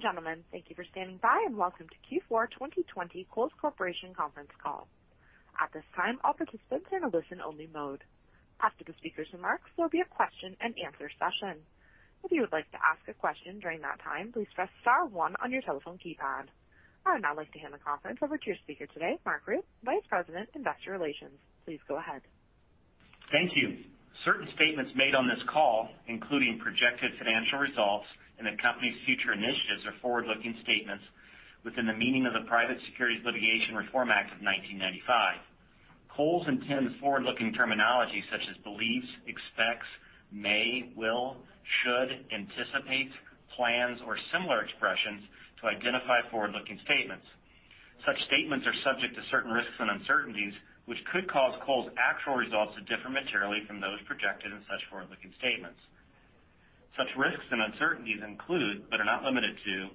Ladies and gentlemen, thank you for standing by, and welcome to Q4 2021 Kohl's Corporation conference call. At this time, all participants are in a listen-only mode. After the speakers' remarks, there will be a question and answer session. If you would like to ask a question during that time, please press star one on your telephone keypad. I would now like to hand the conference over to your speaker today, Mark Rupe, Vice President of Investor Relations. Please go ahead. Thank you. Certain statements made on this call, including projected financial results and the company's future initiatives, are forward-looking statements within the meaning of the Private Securities Litigation Reform Act of 1995. Kohl's intends forward-looking terminology such as believes, expects, may, will, should, anticipate, plans, or similar expressions to identify forward-looking statements. Such statements are subject to certain risks and uncertainties, which could cause Kohl's actual results to differ materially from those projected in such forward-looking statements. Such risks and uncertainties include, but are not limited to,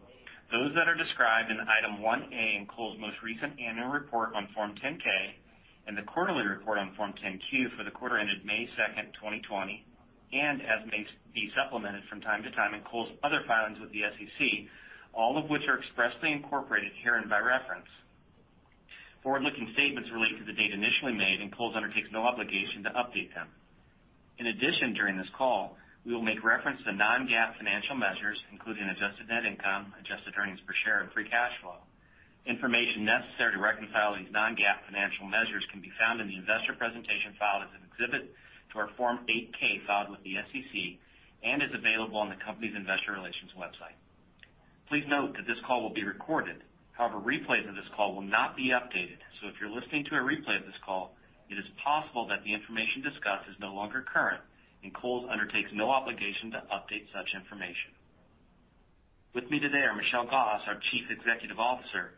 those that are described in Item one A in Kohl's most recent annual report on Form 10-K and the quarterly report on Form 10-Q for the quarter ended May 2nd, 2020, and as may be supplemented from time to time in Kohl's other filings with the SEC, all of which are expressly incorporated herein by reference. Forward-looking statements relate to the date initially made, and Kohl's undertakes no obligation to update them. In addition, during this call, we will make reference to non-GAAP financial measures, including adjusted net income, adjusted earnings per share, and free cash flow. Information necessary to reconcile these non-GAAP financial measures can be found in the investor presentation filed as an exhibit to our Form 8-K filed with the SEC and is available on the company's investor relations website. Please note that this call will be recorded. However, replays of this call will not be updated. If you're listening to a replay of this call, it is possible that the information discussed is no longer current, and Kohl's undertakes no obligation to update such information. With me today are Michelle Gass, our Chief Executive Officer,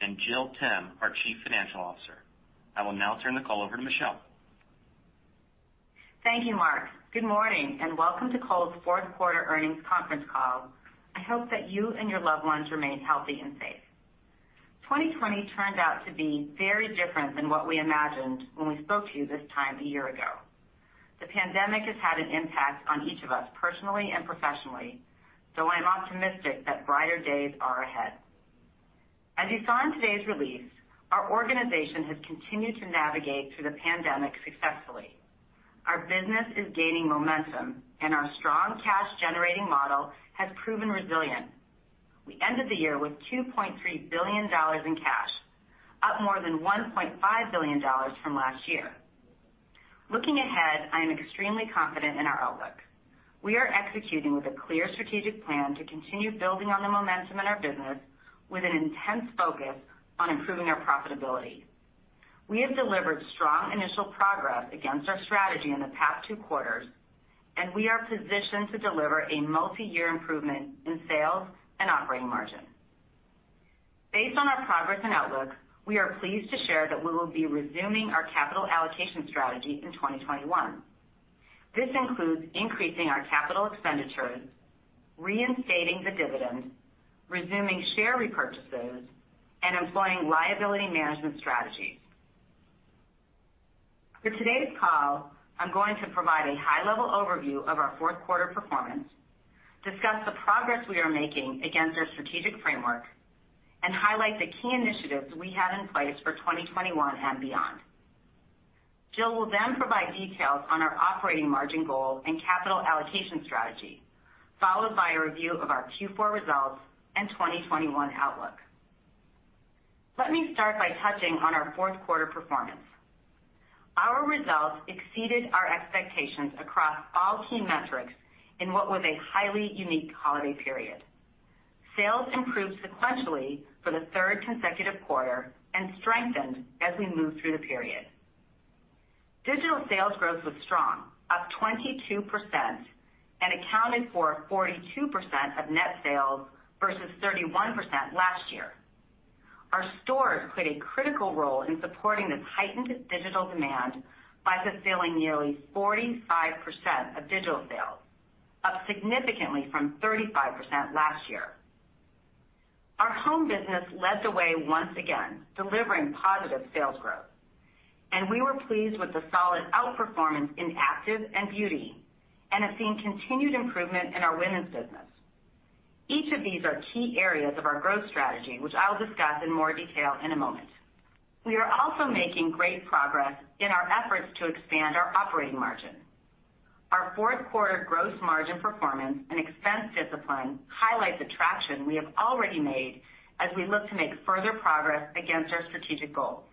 and Jill Timm, our Chief Financial Officer. I will now turn the call over to Michelle. Thank you, Mark. Good morning, and welcome to Kohl's fourth quarter earnings conference call. I hope that you and your loved ones remain healthy and safe. 2020 turned out to be very different than what we imagined when we spoke to you this time a year ago. The pandemic has had an impact on each of us personally and professionally, though I'm optimistic that brighter days are ahead. As you saw in today's release, our organization has continued to navigate through the pandemic successfully. Our business is gaining momentum, and our strong cash generating model has proven resilient. We ended the year with $2.3 billion in cash, up more than $1.5 billion from last year. Looking ahead, I am extremely confident in our outlook. We are executing with a clear strategic plan to continue building on the momentum in our business with an intense focus on improving our profitability. We have delivered strong initial progress against our strategy in the past two quarters. We are positioned to deliver a multi-year improvement in sales and operating margin. Based on our progress and outlook, we are pleased to share that we will be resuming our capital allocation strategy in 2021. This includes increasing our capital expenditures, reinstating the dividend, resuming share repurchases, and employing liability management strategies. For today's call, I'm going to provide a high-level overview of our fourth quarter performance, discuss the progress we are making against our strategic framework, and highlight the key initiatives we have in place for 2021 and beyond. Jill will then provide details on our operating margin goal and capital allocation strategy, followed by a review of our Q4 results and 2021 outlook. Let me start by touching on our fourth quarter performance. Our results exceeded our expectations across all key metrics in what was a highly unique holiday period. Sales improved sequentially for the third consecutive quarter and strengthened as we moved through the period. Digital sales growth was strong, up 22%, and accounted for 42% of net sales versus 31% last year. Our stores played a critical role in supporting the heightened digital demand by fulfilling nearly 45% of digital sales, up significantly from 35% last year. Our home business led the way once again, delivering positive sales growth. We were pleased with the solid outperformance in active and beauty and have seen continued improvement in our women's business. Each of these are key areas of our growth strategy, which I will discuss in more detail in a moment. We are also making great progress in our efforts to expand our operating margin. Our fourth quarter gross margin performance and expense discipline highlights the traction we have already made as we look to make further progress against our strategic goals.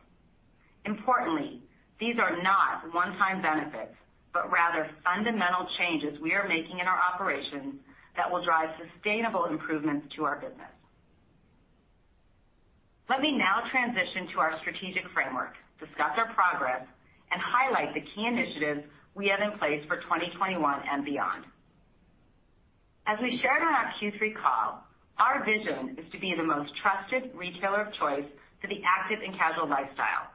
Importantly, these are not one-time benefits, but rather fundamental changes we are making in our operations that will drive sustainable improvements to our business. Let me now transition to our strategic framework, discuss our progress, and highlight the key initiatives we have in place for 2021 and beyond. As we shared on our Q3 call, our vision is to be the most trusted retailer of choice for the active and casual lifestyle.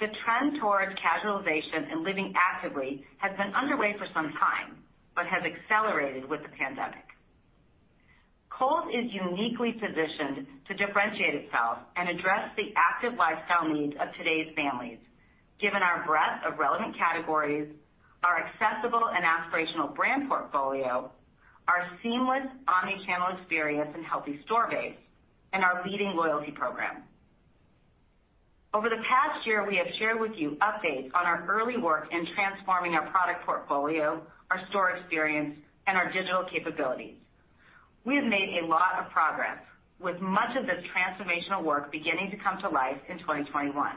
The trend towards casualization and living actively has been underway for some time, but has accelerated with the pandemic. Kohl's is uniquely positioned to differentiate itself and address the active lifestyle needs of today's families, given our breadth of relevant categories, our accessible and aspirational brand portfolio, our seamless omni-channel experience and healthy store base, and our leading loyalty program. Over the past year, we have shared with you updates on our early work in transforming our product portfolio, our store experience, and our digital capabilities. We have made a lot of progress, with much of this transformational work beginning to come to life in 2021.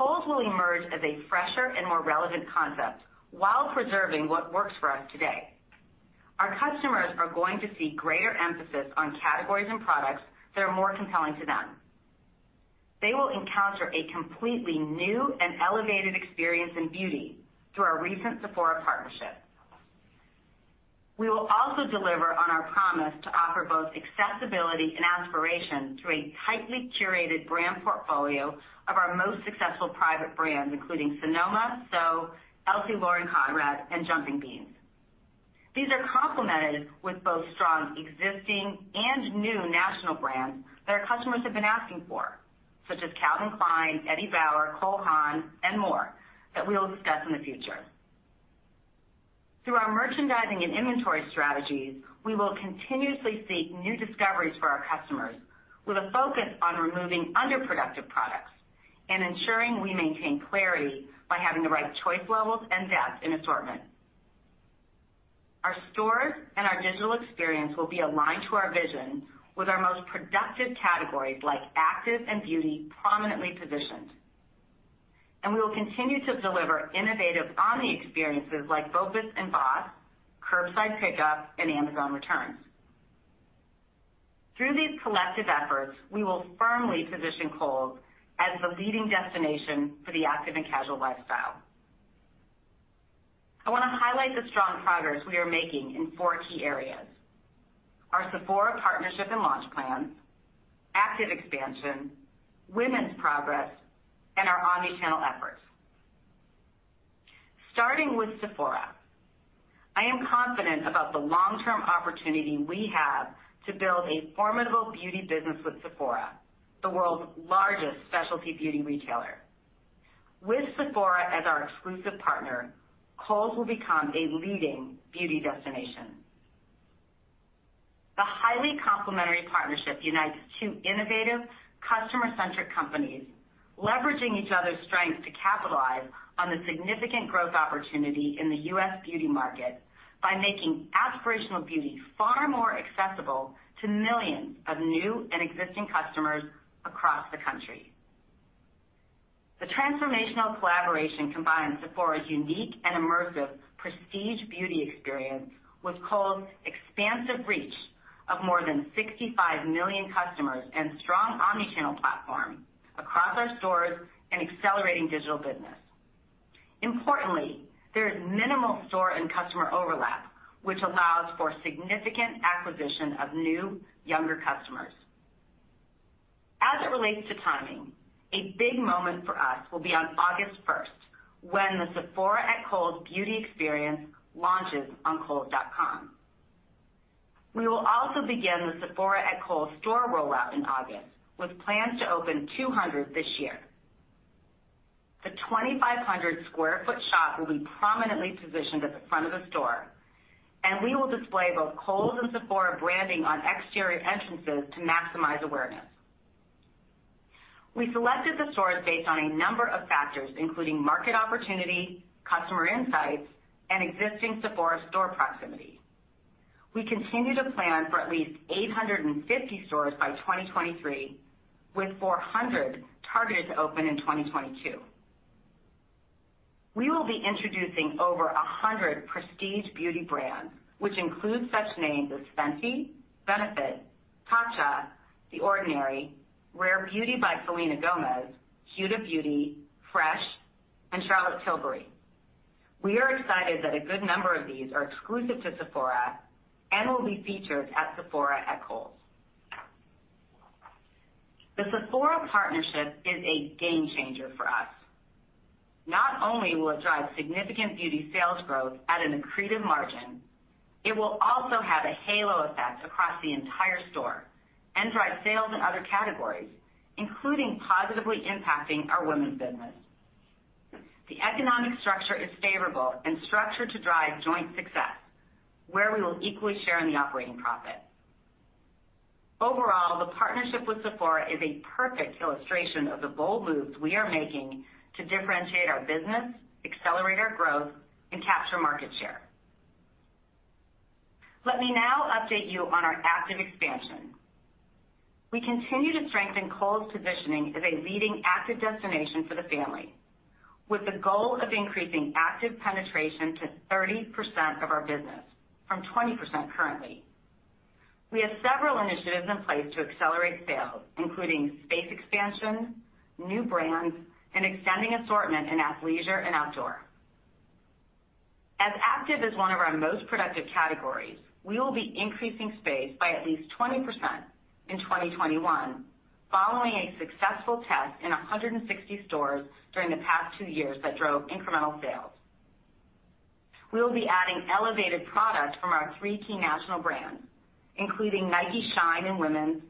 Kohl's will emerge as a fresher and more relevant concept while preserving what works for us today. Our customers are going to see greater emphasis on categories and products that are more compelling to them. They will encounter a completely new and elevated experience in beauty through our recent Sephora partnership. We will also deliver on our promise to offer both accessibility and aspiration through a tightly curated brand portfolio of our most successful private brands, including Sonoma, SO, LC Lauren Conrad, and Jumping Beans. These are complemented with both strong existing and new national brands that our customers have been asking for, such as Calvin Klein, Eddie Bauer, Cole Haan, and more that we will discuss in the future. Through our merchandising and inventory strategies, we will continuously seek new discoveries for our customers with a focus on removing underproductive products and ensuring we maintain clarity by having the right choice levels and depth in assortment. Our stores and our digital experience will be aligned to our vision with our most productive categories like active and beauty prominently positioned. We will continue to deliver innovative omni-experiences like BOPIS and BOSS, curbside pickup, and Amazon Returns. Through these collective efforts, we will firmly position Kohl's as the leading destination for the active and casual lifestyle. I want to highlight the strong progress we are making in four key areas: Our Sephora partnership and launch plans, active expansion, women's progress, and our omnichannel efforts. Starting with Sephora, I am confident about the long-term opportunity we have to build a formidable beauty business with Sephora, the world's largest specialty beauty retailer. With Sephora as our exclusive partner, Kohl's will become a leading beauty destination. The highly complementary partnership unites two innovative, customer-centric companies, leveraging each other's strengths to capitalize on the significant growth opportunity in the U.S. beauty market by making aspirational beauty far more accessible to millions of new and existing customers across the country. The transformational collaboration combines Sephora's unique and immersive prestige beauty experience with Kohl's expansive reach of more than 65 million customers and strong omnichannel platform across our stores and accelerating digital business. Importantly, there is minimal store and customer overlap, which allows for significant acquisition of new, younger customers. As it relates to timing, a big moment for us will be on August 1st, when the Sephora at Kohl's beauty experience launches on kohls.com. We will also begin the Sephora at Kohl's store rollout in August, with plans to open 200 this year. The 2,500 sq ft shop will be prominently positioned at the front of the store, and we will display both Kohl's and Sephora branding on exterior entrances to maximize awareness. We selected the stores based on a number of factors, including market opportunity, customer insights, and existing Sephora store proximity. We continue to plan for at least 850 stores by 2023, with 400 targeted to open in 2022. We will be introducing over 100 prestige beauty brands, which include such names as Fenty, Benefit, Tatcha, The Ordinary, Rare Beauty by Selena Gomez, Huda Beauty, Fresh, and Charlotte Tilbury. We are excited that a good number of these are exclusive to Sephora and will be featured at Sephora at Kohl's. The Sephora partnership is a game changer for us. Not only will it drive significant beauty sales growth at an accretive margin, it will also have a halo effect across the entire store and drive sales in other categories, including positively impacting our women's business. The economic structure is favorable and structured to drive joint success, where we will equally share in the operating profit. Overall, the partnership with Sephora is a perfect illustration of the bold moves we are making to differentiate our business, accelerate our growth, and capture market share. Let me now update you on our active expansion. We continue to strengthen Kohl's positioning as a leading active destination for the family, with the goal of increasing active penetration to 30% of our business from 20% currently. We have several initiatives in place to accelerate sales, including space expansion, new brands, and extending assortment in athleisure and outdoor. As active is one of our most productive categories, we will be increasing space by at least 20% in 2021, following a successful test in 160 stores during the past two years that drove incremental sales. We will be adding elevated product from our three key national brands, including Nike Shine in women's,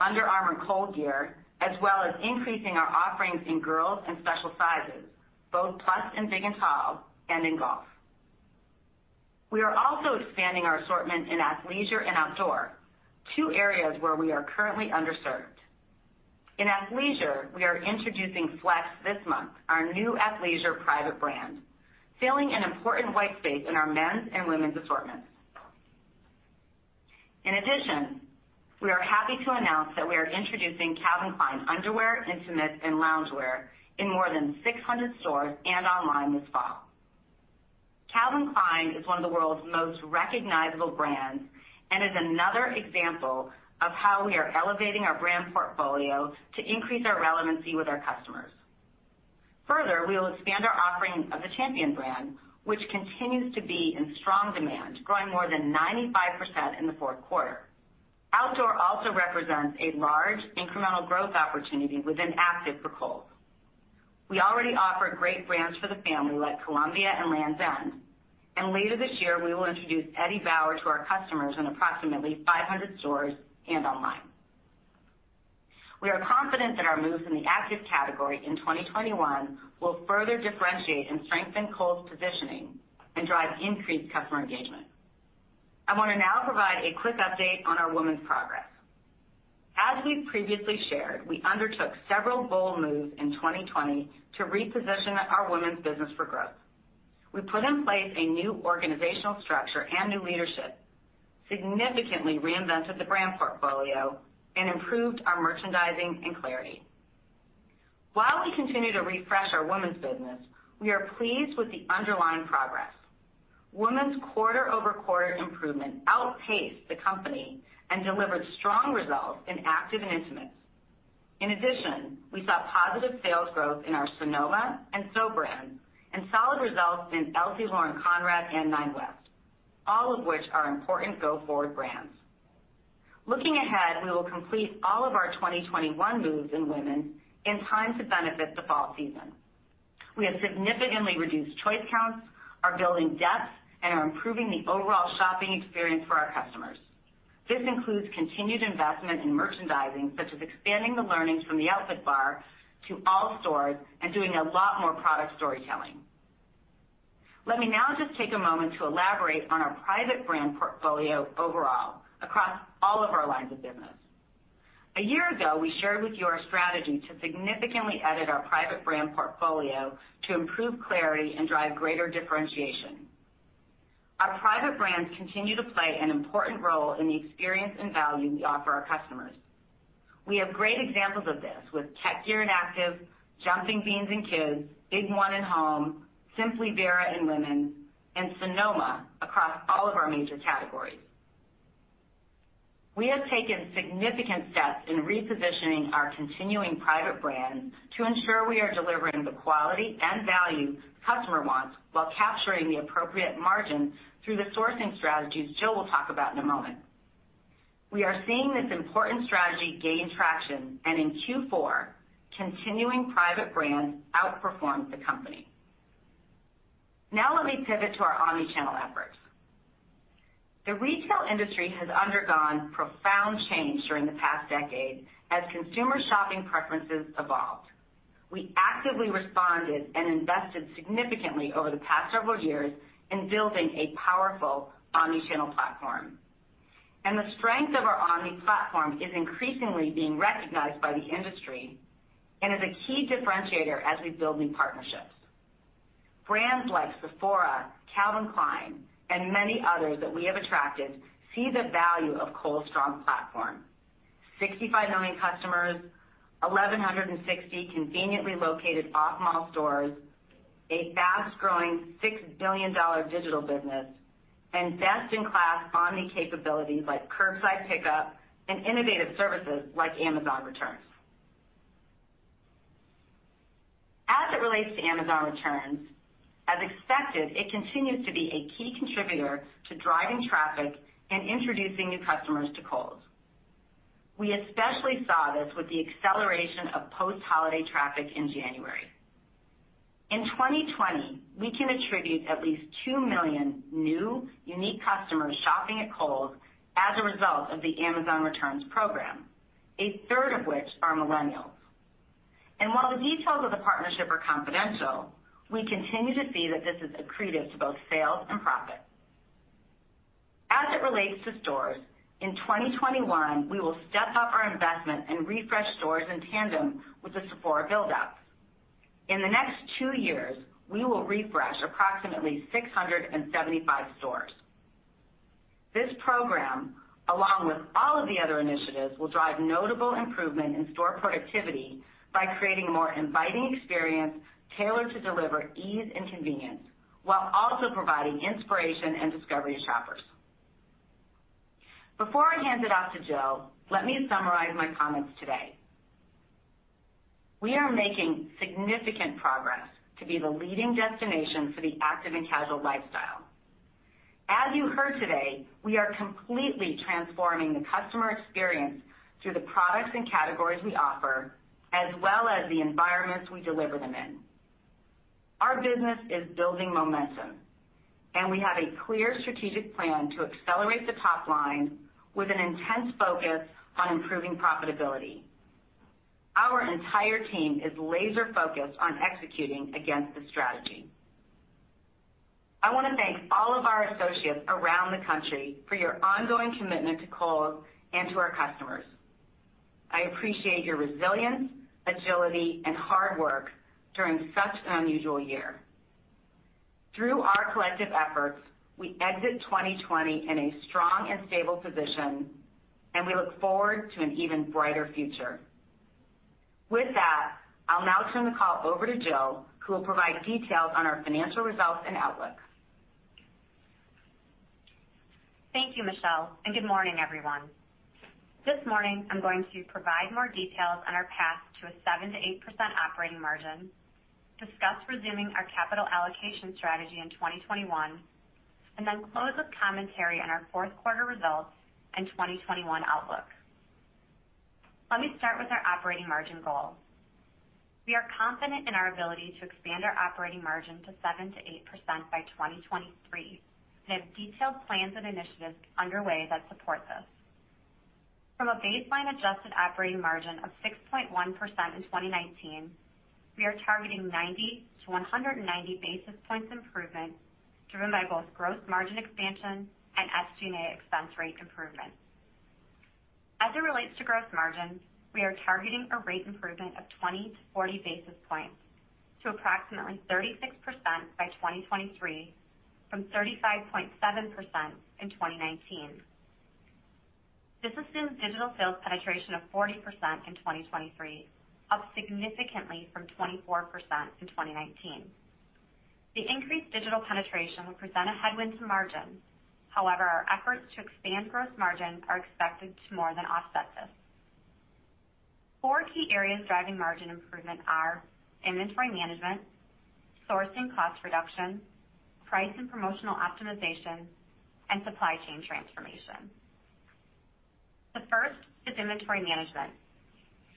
Under Armour ColdGear, as well as increasing our offerings in girls and special sizes, both plus and big and tall, and in golf. In athleisure, we are introducing FLX this month, our new athleisure private brand, filling an important white space in our men's and women's assortments. We are happy to announce that we are introducing Calvin Klein underwear, intimates, and loungewear in more than 600 stores and online this fall. Calvin Klein is one of the world's most recognizable brands and is another example of how we are elevating our brand portfolio to increase our relevancy with our customers. Further, we will expand our offering of the Champion brand, which continues to be in strong demand, growing more than 95% in the fourth quarter. Outdoor also represents a large incremental growth opportunity within active for Kohl's. We already offer great brands for the family like Columbia and Lands' End, and later this year, we will introduce Eddie Bauer to our customers in approximately 500 stores and online. We are confident that our moves in the active category in 2021 will further differentiate and strengthen Kohl's positioning and drive increased customer engagement. I want to now provide a quick update on our women's progress. As we've previously shared, we undertook several bold moves in 2020 to reposition our women's business for growth. We put in place a new organizational structure and new leadership, significantly reinvented the brand portfolio, and improved our merchandising and clarity. While we continue to refresh our women's business, we are pleased with the underlying progress. Women's quarter-over-quarter improvement outpaced the company and delivered strong results in active and intimates. In addition, we saw positive sales growth in our Sonoma and SO brands and solid results in LC Lauren Conrad and Nine West, all of which are important go-forward brands. Looking ahead, we will complete all of our 2021 moves in women in time to benefit the fall season. We have significantly reduced choice counts, are building depth, and are improving the overall shopping experience for our customers. This includes continued investment in merchandising, such as expanding the learnings from the outfit bar to all stores and doing a lot more product storytelling. Let me now just take a moment to elaborate on our private brand portfolio overall across all of our lines of business. A year ago, we shared with you our strategy to significantly edit our private brand portfolio to improve clarity and drive greater differentiation. Our private brands continue to play an important role in the experience and value we offer our customers. We have great examples of this with Tek Gear in active, Jumping Beans in kids, Big One in home, Simply Vera in women's, and Sonoma across all of our major categories. We have taken significant steps in repositioning our continuing private brands to ensure we are delivering the quality and value customer wants while capturing the appropriate margin through the sourcing strategies Jill will talk about in a moment. We are seeing this important strategy gain traction, and in Q4, continuing private brands outperformed the company. Now let me pivot to our omnichannel efforts. The retail industry has undergone profound change during the past decade as consumer shopping preferences evolved. We actively responded and invested significantly over the past several years in building a powerful omnichannel platform. The strength of our omni platform is increasingly being recognized by the industry and is a key differentiator as we build new partnerships. Brands like Sephora, Calvin Klein, and many others that we have attracted see the value of Kohl's strong platform. 65 million customers, 1,160 conveniently located off-mall stores, a fast-growing $6 billion digital business, Best-in-class omni capabilities like curbside pickup and innovative services like Amazon Returns. As it relates to Amazon Returns, as expected, it continues to be a key contributor to driving traffic and introducing new customers to Kohl's. We especially saw this with the acceleration of post-holiday traffic in January. In 2020, we can attribute at least 2 million new, unique customers shopping at Kohl's as a result of the Amazon Returns program, a third of which are millennials. While the details of the partnership are confidential, we continue to see that this is accretive to both sales and profit. As it relates to stores, in 2021, we will step up our investment and refresh stores in tandem with the Sephora buildup. In the next two years, we will refresh approximately 675 stores. This program, along with all of the other initiatives, will drive notable improvement in store productivity by creating a more inviting experience tailored to deliver ease and convenience while also providing inspiration and discovery to shoppers. Before I hand it off to Jill, let me summarize my comments today. We are making significant progress to be the leading destination for the active and casual lifestyle. As you heard today, we are completely transforming the customer experience through the products and categories we offer, as well as the environments we deliver them in. Our business is building momentum, and we have a clear strategic plan to accelerate the top line with an intense focus on improving profitability. Our entire team is laser-focused on executing against this strategy. I want to thank all of our associates around the country for your ongoing commitment to Kohl's and to our customers. I appreciate your resilience, agility, and hard work during such an unusual year. Through our collective efforts, we exit 2020 in a strong and stable position, and we look forward to an even brighter future. With that, I'll now turn the call over to Jill, who will provide details on our financial results and outlook. Thank you, Michelle, good morning, everyone. This morning, I'm going to provide more details on our path to a 7%-8% operating margin, discuss resuming our capital allocation strategy in 2021, then close with commentary on our fourth quarter results and 2021 outlook. Let me start with our operating margin goal. We are confident in our ability to expand our operating margin to 7%-8% by 2023, have detailed plans and initiatives underway that support this. From a baseline adjusted operating margin of 6.1% in 2019, we are targeting 90-190 basis points improvement, driven by both gross margin expansion and SG&A expense rate improvements. As it relates to gross margins, we are targeting a rate improvement of 20-40 basis points to approximately 36% by 2023 from 35.7% in 2019. This assumes digital sales penetration of 40% in 2023, up significantly from 24% in 2019. The increased digital penetration will present a headwind to margins. However, our efforts to expand gross margin are expected to more than offset this. Four key areas driving margin improvement are inventory management, sourcing cost reduction, price and promotional optimization, and supply chain transformation. The first is inventory management.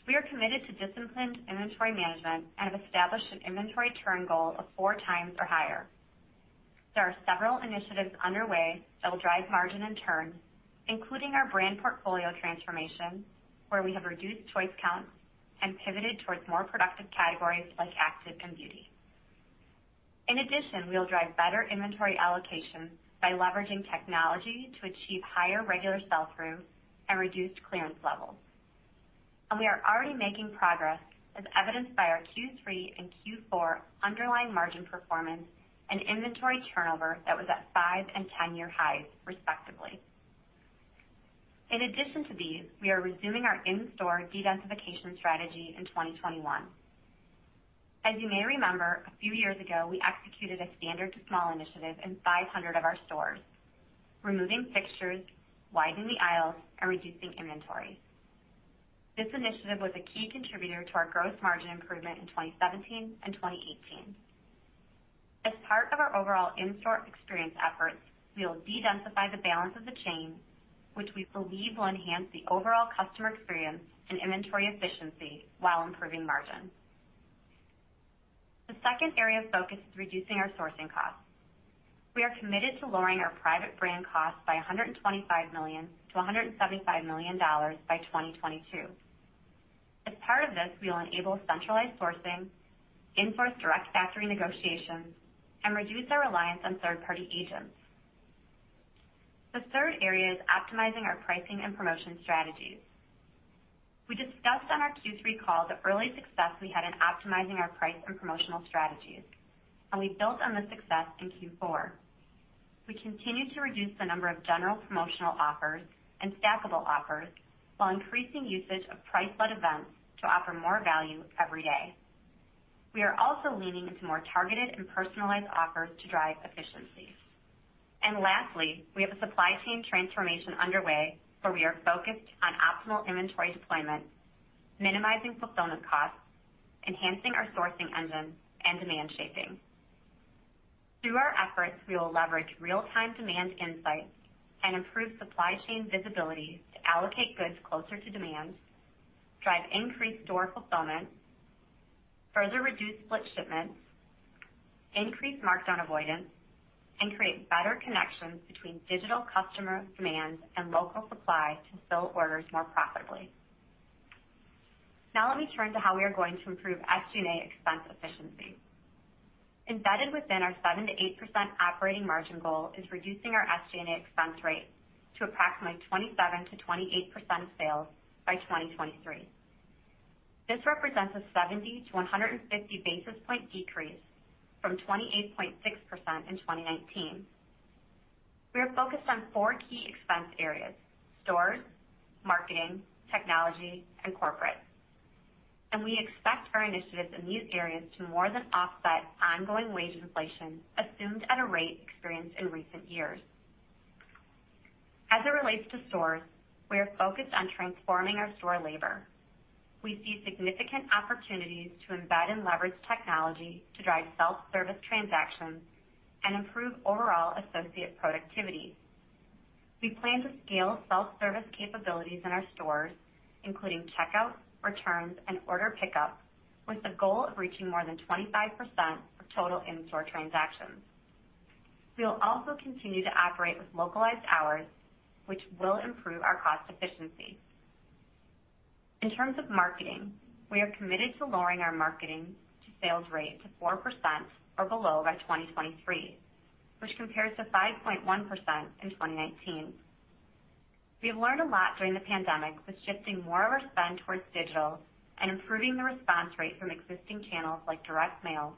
We are committed to disciplined inventory management and have established an inventory turn goal of four times or higher. There are several initiatives underway that will drive margin and turn, including our brand portfolio transformation, where we have reduced choice counts and pivoted towards more productive categories like active and beauty. In addition, we'll drive better inventory allocation by leveraging technology to achieve higher regular sell-through and reduced clearance levels. We are already making progress, as evidenced by our Q3 and Q4 underlying margin performance and inventory turnover that was at five and 10-year highs, respectively. In addition to these, we are resuming our in-store dedensification strategy in 2021. As you may remember, a few years ago, we executed a Standard to Small initiative in 500 of our stores, removing fixtures, widening the aisles, and reducing inventory. This initiative was a key contributor to our gross margin improvement in 2017 and 2018. As part of our overall in-store experience efforts, we'll dedensify the balance of the chain, which we believe will enhance the overall customer experience and inventory efficiency while improving margins. The second area of focus is reducing our sourcing costs. We are committed to lowering our private brand costs by $125 million to $175 million by 2022. As part of this, we will enable centralized sourcing, enforce direct factory negotiations, and reduce our reliance on third-party agents. The third area is optimizing our pricing and promotion strategies. We discussed on our Q3 call the early success we had in optimizing our price and promotional strategies, and we built on this success in Q4. We continued to reduce the number of general promotional offers and stackable offers while increasing usage of price led events to offer more value every day. We are also leaning into more targeted and personalized offers to drive efficiencies. Lastly, we have a supply chain transformation underway where we are focused on optimal inventory deployment, minimizing fulfillment costs, enhancing our sourcing engine, and demand shaping. Through our efforts, we will leverage real-time demand insights and improve supply chain visibility to allocate goods closer to demand, drive increased store fulfillment, further reduce split shipments, increase markdown avoidance, and create better connections between digital customer demands and local supply to fill orders more profitably. Let me turn to how we are going to improve SG&A expense efficiency. Embedded within our 7%-8% operating margin goal is reducing our SG&A expense rate to approximately 27%-28% sales by 2023. This represents a 70 basis point-150 basis point decrease from 28.6% in 2019. We are focused on four key expense areas: stores, marketing, technology, and corporate. We expect our initiatives in these areas to more than offset ongoing wage inflation assumed at a rate experienced in recent years. As it relates to stores, we are focused on transforming our store labor. We see significant opportunities to embed and leverage technology to drive self-service transactions and improve overall associate productivity. We plan to scale self-service capabilities in our stores, including checkout, returns, and order pickup, with the goal of reaching more than 25% of total in-store transactions. We will also continue to operate with localized hours, which will improve our cost efficiency. In terms of marketing, we are committed to lowering our marketing to sales rate to 4% or below by 2023, which compares to 5.1% in 2019. We have learned a lot during the pandemic with shifting more of our spend towards digital and improving the response rate from existing channels like direct mail,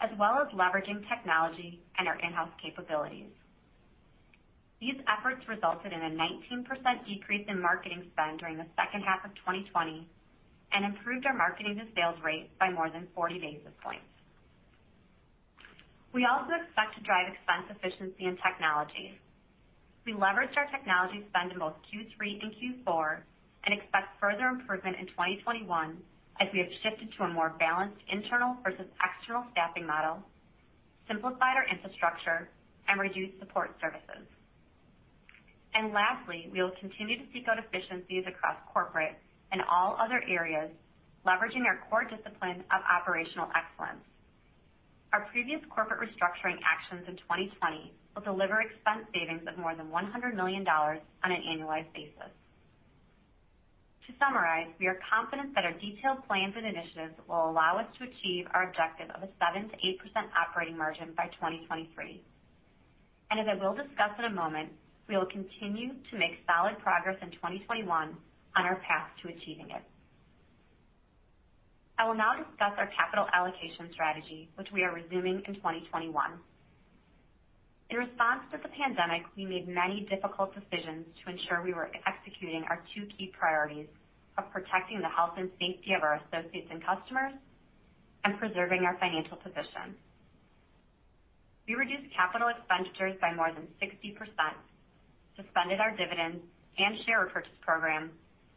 as well as leveraging technology and our in-house capabilities. These efforts resulted in a 19% decrease in marketing spend during the second half of 2020 and improved our marketing to sales rate by more than 40 basis points. We also expect to drive expense efficiency in technology. We leveraged our technology spend in both Q3 and Q4 and expect further improvement in 2021 as we have shifted to a more balanced internal versus external staffing model, simplified our infrastructure, and reduced support services. Lastly, we will continue to seek out efficiencies across corporate and all other areas, leveraging our core discipline of operational excellence. Our previous corporate restructuring actions in 2020 will deliver expense savings of more than $100 million on an annualized basis. To summarize, we are confident that our detailed plans and initiatives will allow us to achieve our objective of a 7%-8% operating margin by 2023. As I will discuss in a moment, we will continue to make solid progress in 2021 on our path to achieving it. I will now discuss our capital allocation strategy, which we are resuming in 2021. In response to the pandemic, we made many difficult decisions to ensure we were executing our two key priorities of protecting the health and safety of our associates and customers and preserving our financial position. We reduced capital expenditures by more than 60%, suspended our dividends and share repurchase program,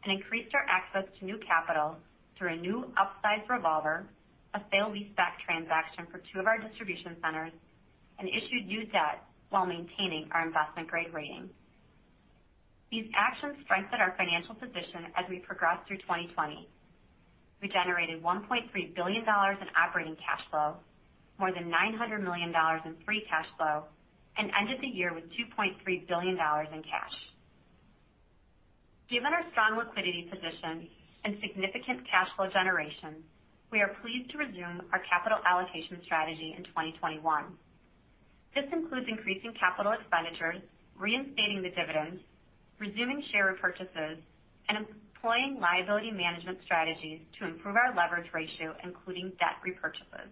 and increased our access to new capital through a new upsized revolver, a sale leaseback transaction for two of our distribution centers, and issued new debt while maintaining our investment-grade rating. These actions strengthened our financial position as we progressed through 2020. We generated $1.3 billion in operating cash flow, more than $900 million in free cash flow, and ended the year with $2.3 billion in cash. Given our strong liquidity position and significant cash flow generation, we are pleased to resume our capital allocation strategy in 2021. This includes increasing capital expenditures, reinstating the dividends, resuming share repurchases, and employing liability management strategies to improve our leverage ratio, including debt repurchases.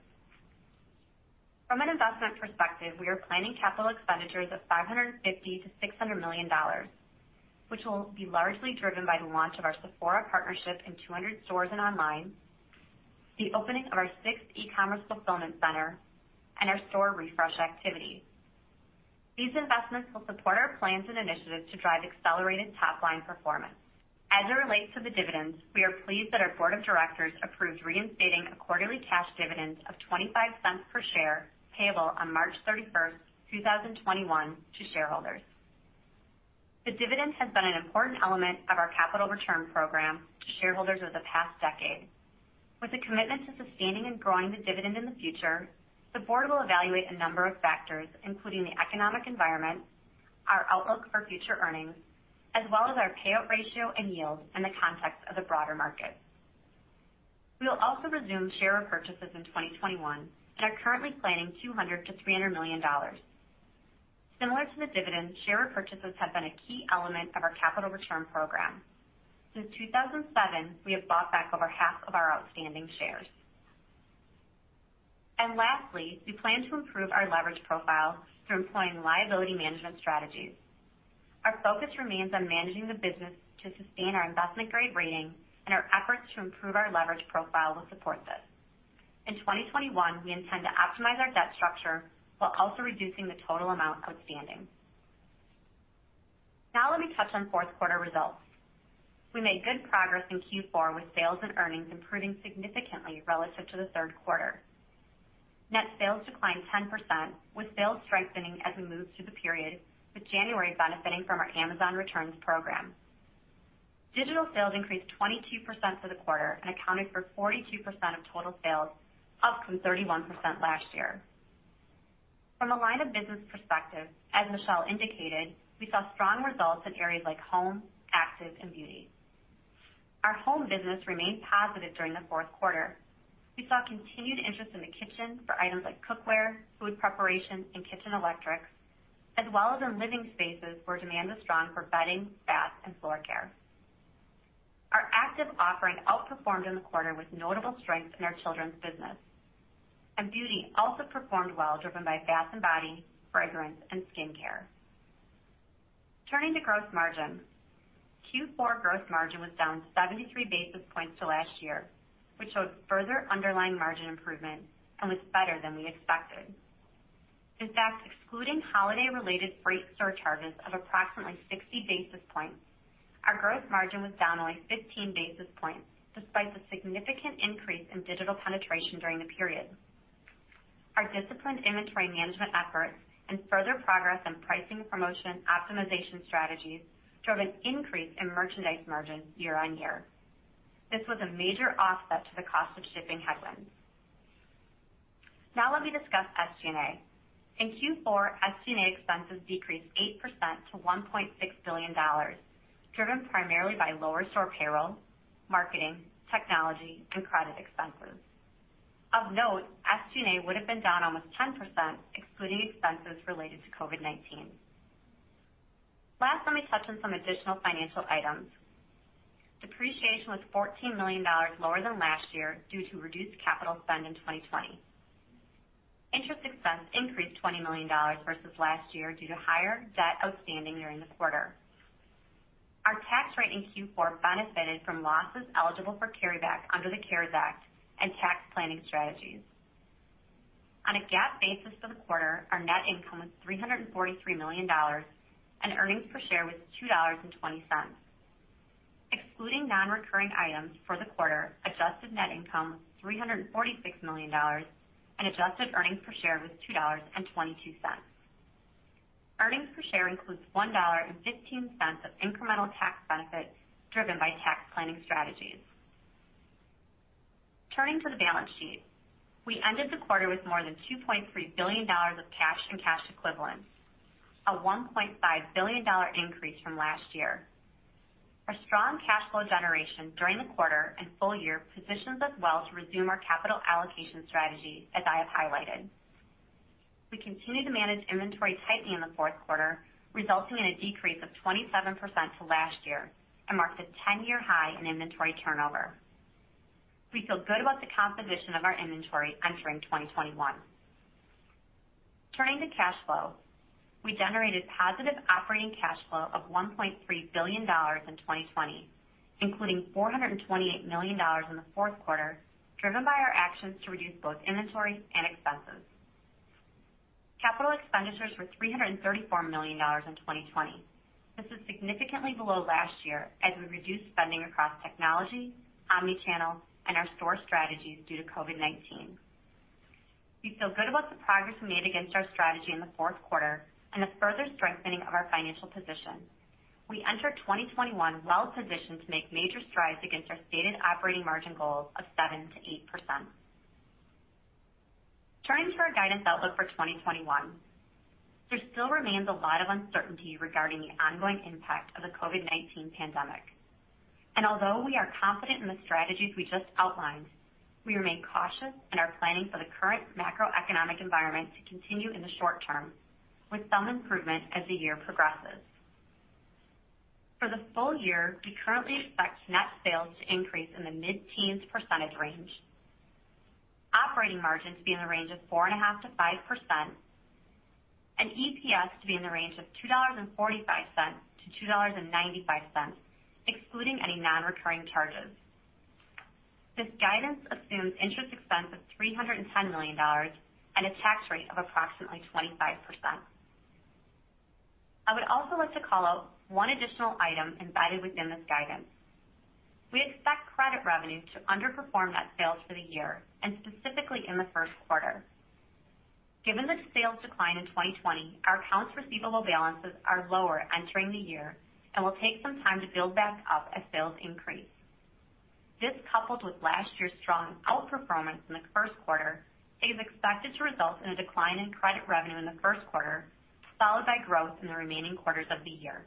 From an investment perspective, we are planning capital expenditures of $550 million-$600 million, which will be largely driven by the launch of our Sephora partnership in 200 stores and online, the opening of our sixth e-commerce fulfillment center, and our store refresh activities. These investments will support our plans and initiatives to drive accelerated top-line performance. As it relates to the dividends, we are pleased that our board of directors approved reinstating a quarterly cash dividend of $0.25 per share, payable on March 31st, 2021, to shareholders. The dividend has been an important element of our capital return program to shareholders over the past decade. With a commitment to sustaining and growing the dividend in the future, the board will evaluate a number of factors, including the economic environment, our outlook for future earnings, as well as our payout ratio and yield in the context of the broader market. We will also resume share repurchases in 2021 and are currently planning $200 million-$300 million. Similar to the dividend, share repurchases have been a key element of our capital return program. Since 2007, we have bought back over half of our outstanding shares. Lastly, we plan to improve our leverage profile through employing liability management strategies. Our focus remains on managing the business to sustain our investment-grade rating, and our efforts to improve our leverage profile will support this. In 2021, we intend to optimize our debt structure while also reducing the total amount outstanding. Let me touch on fourth quarter results. We made good progress in Q4 with sales and earnings improving significantly relative to the third quarter. Net sales declined 10%, with sales strengthening as we moved through the period, with January benefiting from our Amazon Returns program. Digital sales increased 22% for the quarter and accounted for 42% of total sales, up from 31% last year. From a line of business perspective, as Michelle indicated, we saw strong results in areas like home, active, and beauty. Our home business remained positive during the fourth quarter. We saw continued interest in the kitchen for items like cookware, food preparation, and kitchen electrics, as well as in living spaces, where demand was strong for bedding, bath, and floor care. Our active offering outperformed in the quarter with notable strength in our children's business. Beauty also performed well, driven by bath and body, fragrance, and skincare. Turning to gross margin. Q4 gross margin was down 73 basis points to last year, which showed further underlying margin improvement and was better than we expected. In fact, excluding holiday-related freight surcharges of approximately 60 basis points, our gross margin was down only 15 basis points, despite the significant increase in digital penetration during the period. Our disciplined inventory management efforts and further progress in pricing promotion optimization strategies drove an increase in merchandise margin year-over-year. This was a major offset to the cost of shipping headwinds. Let me discuss SG&A. In Q4, SG&A expenses decreased 8% to $1.6 billion, driven primarily by lower store payroll, marketing, technology, and credit expenses. Of note, SG&A would have been down almost 10%, excluding expenses related to COVID-19. Let me touch on some additional financial items. Depreciation was $14 million lower than last year due to reduced capital spend in 2020. Interest expense increased $20 million versus last year due to higher debt outstanding during the quarter. Our tax rate in Q4 benefited from losses eligible for carryback under the CARES Act and tax planning strategies. On a GAAP basis for the quarter, our net income was $343 million, and earnings per share was $2.20. Excluding non-recurring items for the quarter, adjusted net income was $346 million, and adjusted earnings per share was $2.22. Earnings per share includes $1.15 of incremental tax benefit driven by tax planning strategies. Turning to the balance sheet, we ended the quarter with more than $2.3 billion of cash and cash equivalents, a $1.5 billion increase from last year. Our strong cash flow generation during the quarter and full year positions us well to resume our capital allocation strategy, as I have highlighted. We continue to manage inventory tightly in the fourth quarter, resulting in a decrease of 27% to last year and marks a 10-year high in inventory turnover. We feel good about the composition of our inventory entering 2021. Turning to cash flow, we generated positive operating cash flow of $1.3 billion in 2020, including $428 million in the fourth quarter, driven by our actions to reduce both inventory and expenses. Capital expenditures were $334 million in 2020. This is significantly below last year as we reduced spending across technology, omni-channel, and our store strategies due to COVID-19. We feel good about the progress we made against our strategy in the fourth quarter and the further strengthening of our financial position. We enter 2021 well positioned to make major strides against our stated operating margin goals of 7%-8%. Turning to our guidance outlook for 2021. There still remains a lot of uncertainty regarding the ongoing impact of the COVID-19 pandemic. Although we are confident in the strategies we just outlined, we remain cautious and are planning for the current macroeconomic environment to continue in the short term, with some improvement as the year progresses. For the full year, we currently expect net sales to increase in the mid-teens percentage range, operating margins to be in the range of 4.5%-5%, and EPS to be in the range of $2.45-$2.95, excluding any non-recurring charges. This guidance assumes interest expense of $310 million and a tax rate of approximately 25%. I would also like to call out one additional item embedded within this guidance. We expect credit revenue to underperform net sales for the year and specifically in the first quarter. Given the sales decline in 2020, our accounts receivable balances are lower entering the year and will take some time to build back up as sales increase. This, coupled with last year's strong outperformance in the first quarter, is expected to result in a decline in credit revenue in the first quarter, followed by growth in the remaining quarters of the year.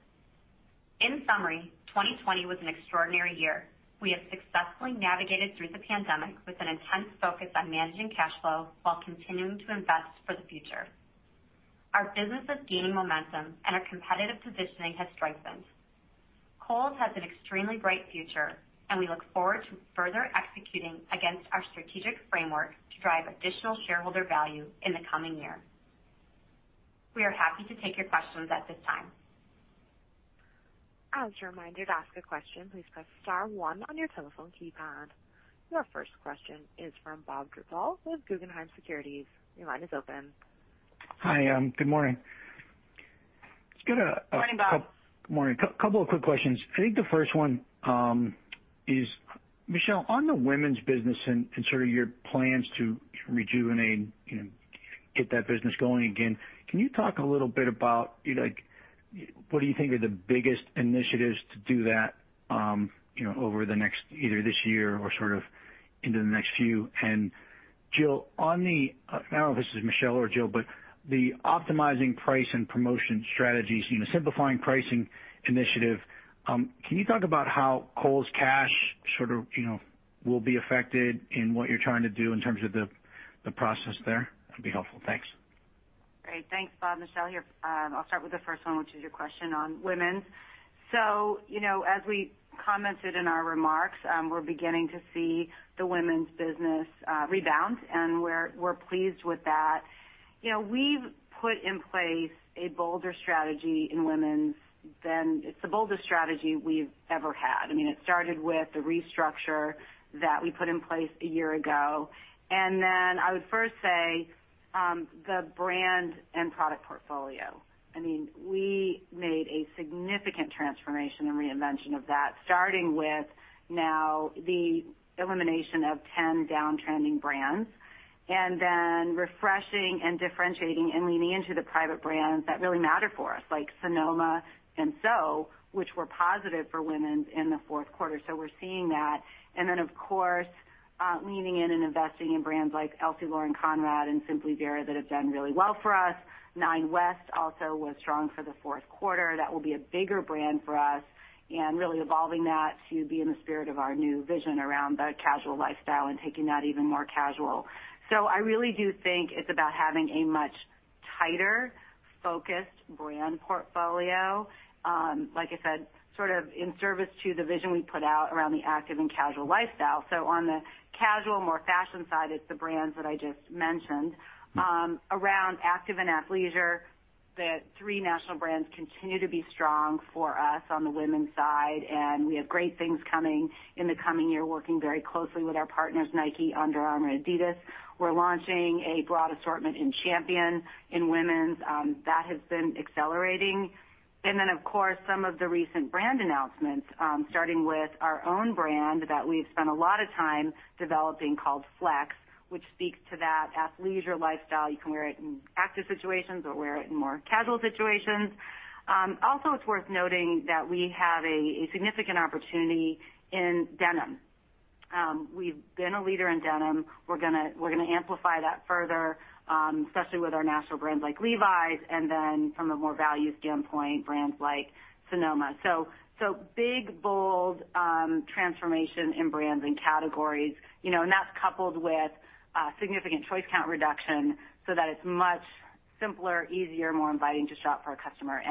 In summary, 2020 was an extraordinary year. We have successfully navigated through the pandemic with an intense focus on managing cash flow while continuing to invest for the future. Our business is gaining momentum, our competitive positioning has strengthened. Kohl's has an extremely bright future, and we look forward to further executing against our strategic framework to drive additional shareholder value in the coming year. We are happy to take your questions at this time. As a reminder to ask a question, please press star one on your telephone keypad. Your first question is from Bob Drbul with Guggenheim Securities. Hi, good morning. Morning, Bob. Morning. Couple of quick questions. I think the first one is, Michelle, on the women's business and sort of your plans to rejuvenate, get that business going again, can you talk a little bit about what do you think are the biggest initiatives to do that over either this year or sort of into the next few? Jill, I don't know if this is Michelle or Jill, but the optimizing price and promotion strategies, simplifying pricing initiative, can you talk about how Kohl's Cash will be affected in what you're trying to do in terms of the process there? That'd be helpful. Thanks. Great. Thanks, Bob Drbul. Michelle here. I'll start with the first one, which is your question on women's. as we Commented in our remarks, we're beginning to see the women's business rebound, and we're pleased with that. We've put in place a bolder strategy in women's. It's the boldest strategy we've ever had. It started with the restructure that we put in place a year ago. I would first say, the brand and product portfolio. We made a significant transformation and reinvention of that, starting with now the elimination of 10 down-trending brands, and then refreshing and differentiating and leaning into the private brands that really matter for us, like Sonoma and SO, which were positive for women's in the fourth quarter, so we're seeing that. Of course, leaning in and investing in brands like LC Lauren Conrad and Simply Vera that have done really well for us. Nine West also was strong for the fourth quarter. That will be a bigger brand for us and really evolving that to be in the spirit of our new vision around the casual lifestyle and taking that even more casual. I really do think it's about having a much tighter focused brand portfolio. Like I said, sort of in service to the vision we put out around the active and casual lifestyle. On the casual, more fashion side, it's the brands that I just mentioned. Around active and athleisure, the three national brands continue to be strong for us on the women's side, and we have great things coming in the coming year, working very closely with our partners, Nike, Under Armour, Adidas. We're launching a broad assortment in Champion in women's. That has been accelerating. Of course, some of the recent brand announcements, starting with our own brand that we've spent a lot of time developing called FLX, which speaks to that athleisure lifestyle. You can wear it in active situations or wear it in more casual situations. It's worth noting that we have a significant opportunity in denim. We've been a leader in denim. We're going to amplify that further, especially with our national brands like Levi's and then from a more value standpoint, brands like Sonoma. Big, bold transformation in brands and categories, and that's coupled with significant choice count reduction so that it's much simpler, easier, more inviting to shop for a customer.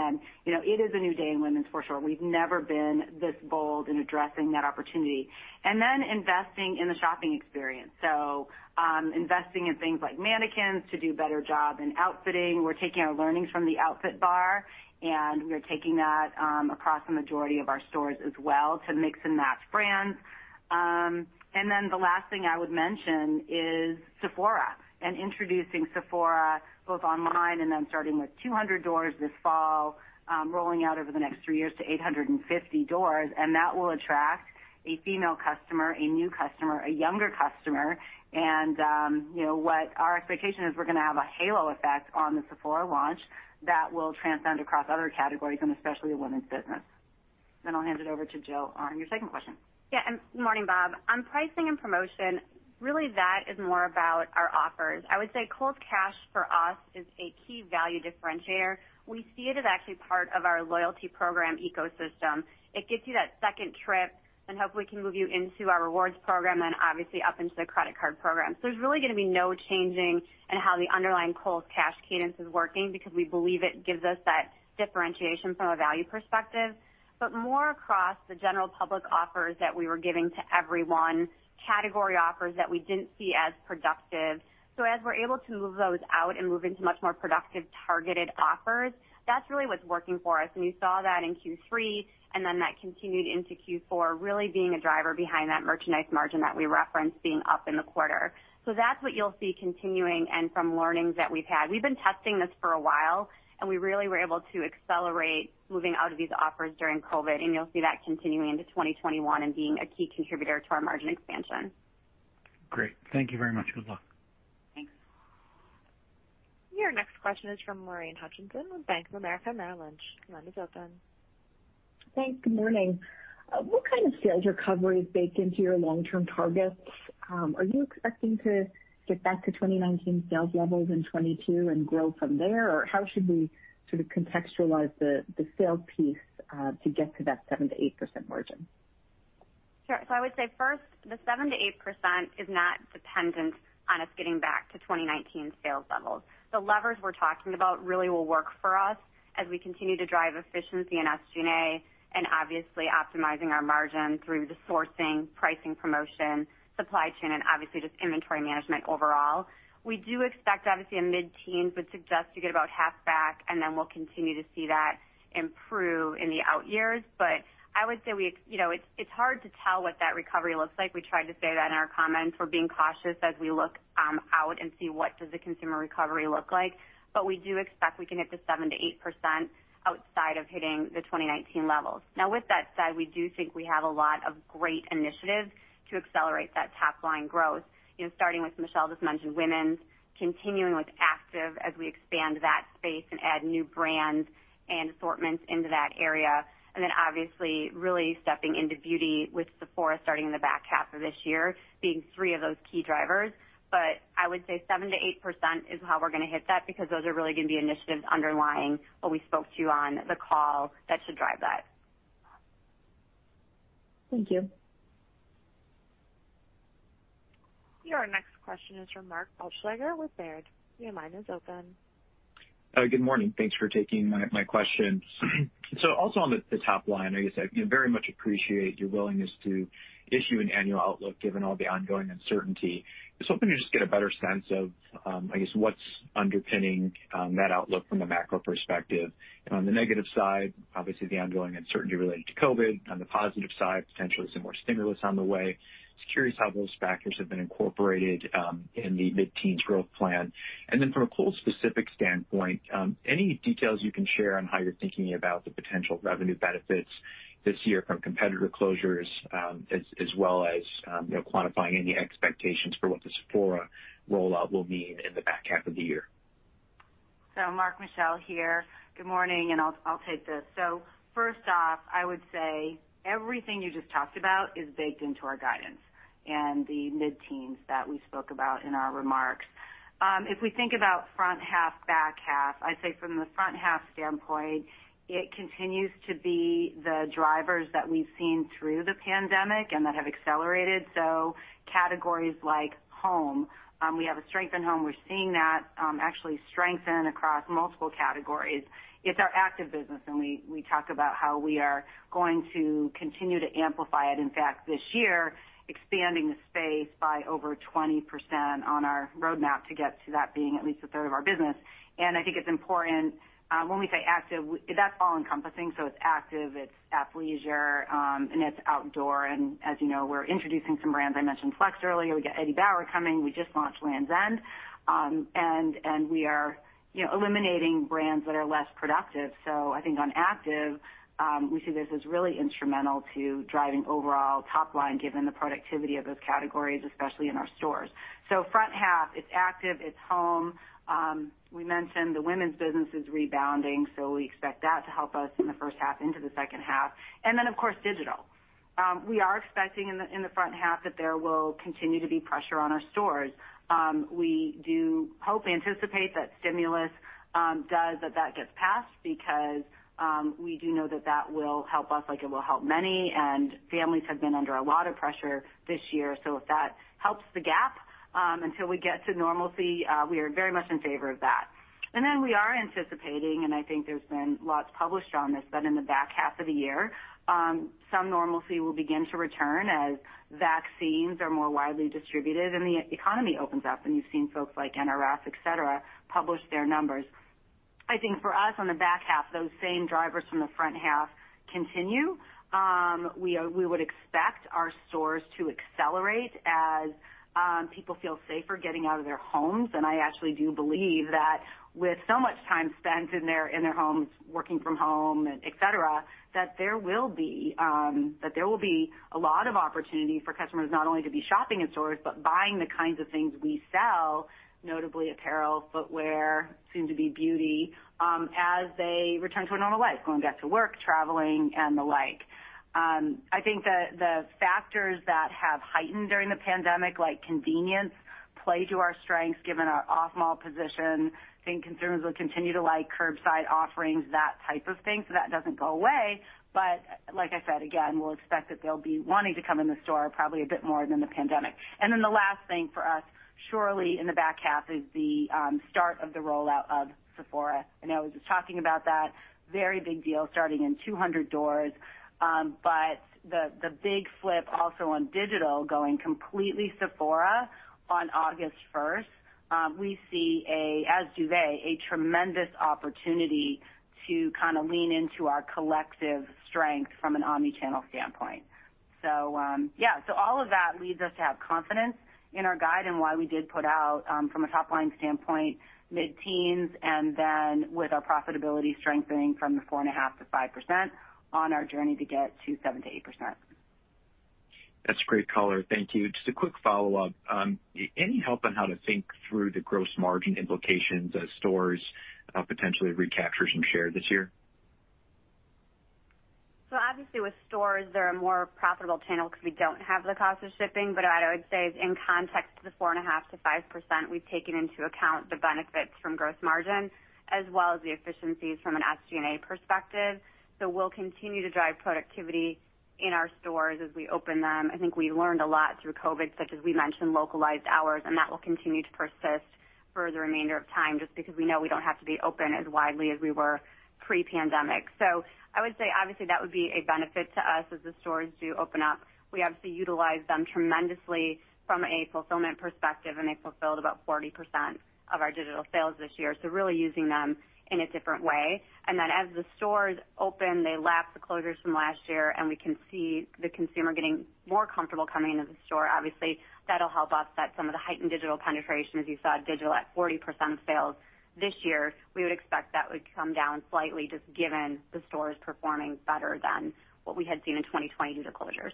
It is a new day in women's for sure. We've never been this bold in addressing that opportunity. Investing in the shopping experience. Investing in things like mannequins to do a better job in outfitting. We're taking our learnings from the outfit bar, and we are taking that across the majority of our stores as well to mix and match brands. The last thing I would mention is Sephora and introducing Sephora both online and then starting with 200 doors this fall, rolling out over the next three years to 850 doors, and that will attract a female customer, a new customer, a younger customer. What our expectation is we're going to have a halo effect on the Sephora launch that will transcend across other categories and especially the women's business. I'll hand it over to Jill on your second question. Good morning, Bob Drbul. On pricing and promotion, really that is more about our offers. I would say Kohl's Cash for us is a key value differentiator. We see it as actually part of our loyalty program ecosystem. It gets you that second trip and hopefully can move you into our rewards program obviously up into the credit card program. There's really going to be no changing in how the underlying Kohl's Cash cadence is working because we believe it gives us that differentiation from a value perspective. More across the general public offers that we were giving to everyone, category offers that we didn't see as productive. As we're able to move those out and move into much more productive targeted offers, that's really what's working for us. We saw that in Q3, and then that continued into Q4, really being a driver behind that merchandise margin that we referenced being up in the quarter. That's what you'll see continuing and from learnings that we've had. We've been testing this for a while, and we really were able to accelerate moving out of these offers during COVID, and you'll see that continuing into 2021 and being a key contributor to our margin expansion. Great. Thank you very much. Good luck. Thanks. Your next question is from Lorraine Hutchinson with Bank of America Merrill Lynch. Line is open. Thanks. Good morning. What kind of sales recovery is baked into your long-term targets? Are you expecting to get back to 2019 sales levels in 2022 and grow from there? How should we sort of contextualize the sales piece to get to that 7%-8% margin? Sure. I would say first, the 7%-8% is not dependent on us getting back to 2019 sales levels. The levers we're talking about really will work for us as we continue to drive efficiency in SG&A and obviously optimizing our margin through the sourcing, pricing, promotion, supply chain, and obviously just inventory management overall. We do expect obviously a mid-teens would suggest you get about half back, and then we'll continue to see that improve in the out years. I would say it's hard to tell what that recovery looks like. We tried to say that in our comments. We're being cautious as we look out and see what does the consumer recovery look like. We do expect we can hit the 7%-8% outside of hitting the 2019 levels. With that said, we do think we have a lot of great initiatives to accelerate that top-line growth. Starting with Michelle just mentioned women's, continuing with active as we expand that space and add new brands and assortments into that area, obviously really stepping into beauty with Sephora starting in the back half of this year being three of those key drivers. I would say 7%-8% is how we're going to hit that because those are really going to be initiatives underlying what we spoke to on the call that should drive that. Thank you. Your next question is from Mark Altschwager with Baird. Your line is open. Good morning. Thanks for taking my questions. Also on the top line, I guess I very much appreciate your willingness to issue an annual outlook, given all the ongoing uncertainty. Just hoping to just get a better sense of, I guess, what's underpinning that outlook from the macro perspective. On the negative side, obviously the ongoing uncertainty related to COVID. On the positive side, potentially some more stimulus on the way. Just curious how those factors have been incorporated in the mid-teens growth plan. Then from a Kohl's specific standpoint, any details you can share on how you're thinking about the potential revenue benefits this year from competitor closures, as well as quantifying any expectations for what the Sephora rollout will mean in the back half of the year. Mark, Michelle here. Good morning, and I'll take this. First off, I would say everything you just talked about is baked into our guidance and the mid-teens that we spoke about in our remarks. If we think about front half, back half, I'd say from the front half standpoint, it continues to be the drivers that we've seen through the pandemic and that have accelerated. Categories like home. We have a strength in home. We're seeing that actually strengthen across multiple categories. It's our active business, and we talk about how we are going to continue to amplify it, in fact, this year, expanding the space by over 20% on our roadmap to get to that being at least a third of our business. I think it's important when we say active, that's all encompassing. It's active, it's athleisure, and it's outdoor, and as you know, we're introducing some brands. I mentioned FLX earlier. We got Eddie Bauer coming. We just launched Lands' End. We are eliminating brands that are less productive. I think on active, we see this as really instrumental to driving overall top line, given the productivity of those categories, especially in our stores. Front half, it's active, it's home. We mentioned the women's business is rebounding, so we expect that to help us in the first half into the second half. Of course, digital. We are expecting in the front half that there will continue to be pressure on our stores. We do hope, anticipate that stimulus does, that that gets passed because we do know that that will help us like it will help many, and families have been under a lot of pressure this year. If that helps the gap, until we get to normalcy, we are very much in favor of that. We are anticipating, and I think there's been lots published on this, that in the back half of the year, some normalcy will begin to return as vaccines are more widely distributed and the economy opens up, and you've seen folks like NRF, et cetera, publish their numbers. I think for us, on the back half, those same drivers from the front half continue. We would expect our stores to accelerate as people feel safer getting out of their homes. I actually do believe that with so much time spent in their homes, working from home, et cetera, that there will be a lot of opportunity for customers not only to be shopping in stores, but buying the kinds of things we sell, notably apparel, footwear, soon to be beauty, as they return to a normal life, going back to work, traveling and the like. I think the factors that have heightened during the pandemic, like convenience, play to our strengths, given our off-mall position. Think consumers will continue to like curbside offerings, that type of thing. That doesn't go away. Like I said, again, we'll expect that they'll be wanting to come in the store probably a bit more than the pandemic. The last thing for us, surely in the back half, is the start of the rollout of Sephora. I know I was just talking about that. Very big deal starting in 200 stores. The big flip also on digital going completely Sephora on August 1st. We see, as do they, a tremendous opportunity to kind of lean into our collective strength from an omni-channel standpoint. Yeah. All of that leads us to have confidence in our guide and why we did put out, from a top-line standpoint, mid-teens, and then with our profitability strengthening from the 4.5%-5% on our journey to get to 7%-8%. That's great color. Thank you. Just a quick follow-up. Any help on how to think through the gross margin implications as stores potentially recapture some share this year? Obviously with stores, they're a more profitable channel because we don't have the cost of shipping. I would say in context to the 4.5%-5%, we've taken into account the benefits from gross margin as well as the efficiencies from an SG&A perspective. We'll continue to drive productivity in our stores as we open them. I think we learned a lot through COVID, such as we mentioned, localized hours, and that will continue to persist for the remainder of time, just because we know we don't have to be open as widely as we were pre-pandemic. I would say obviously that would be a benefit to us as the stores do open up. We obviously utilize them tremendously from a fulfillment perspective, and they fulfilled about 40% of our digital sales this year. Really using them in a different way. As the stores open, they lap the closures from last year, and we can see the consumer getting more comfortable coming into the store. Obviously, that will help offset some of the heightened digital penetration. As you saw, digital at 40% sales this year, we would expect that would come down slightly just given the stores performing better than what we had seen in 2020 due to closures.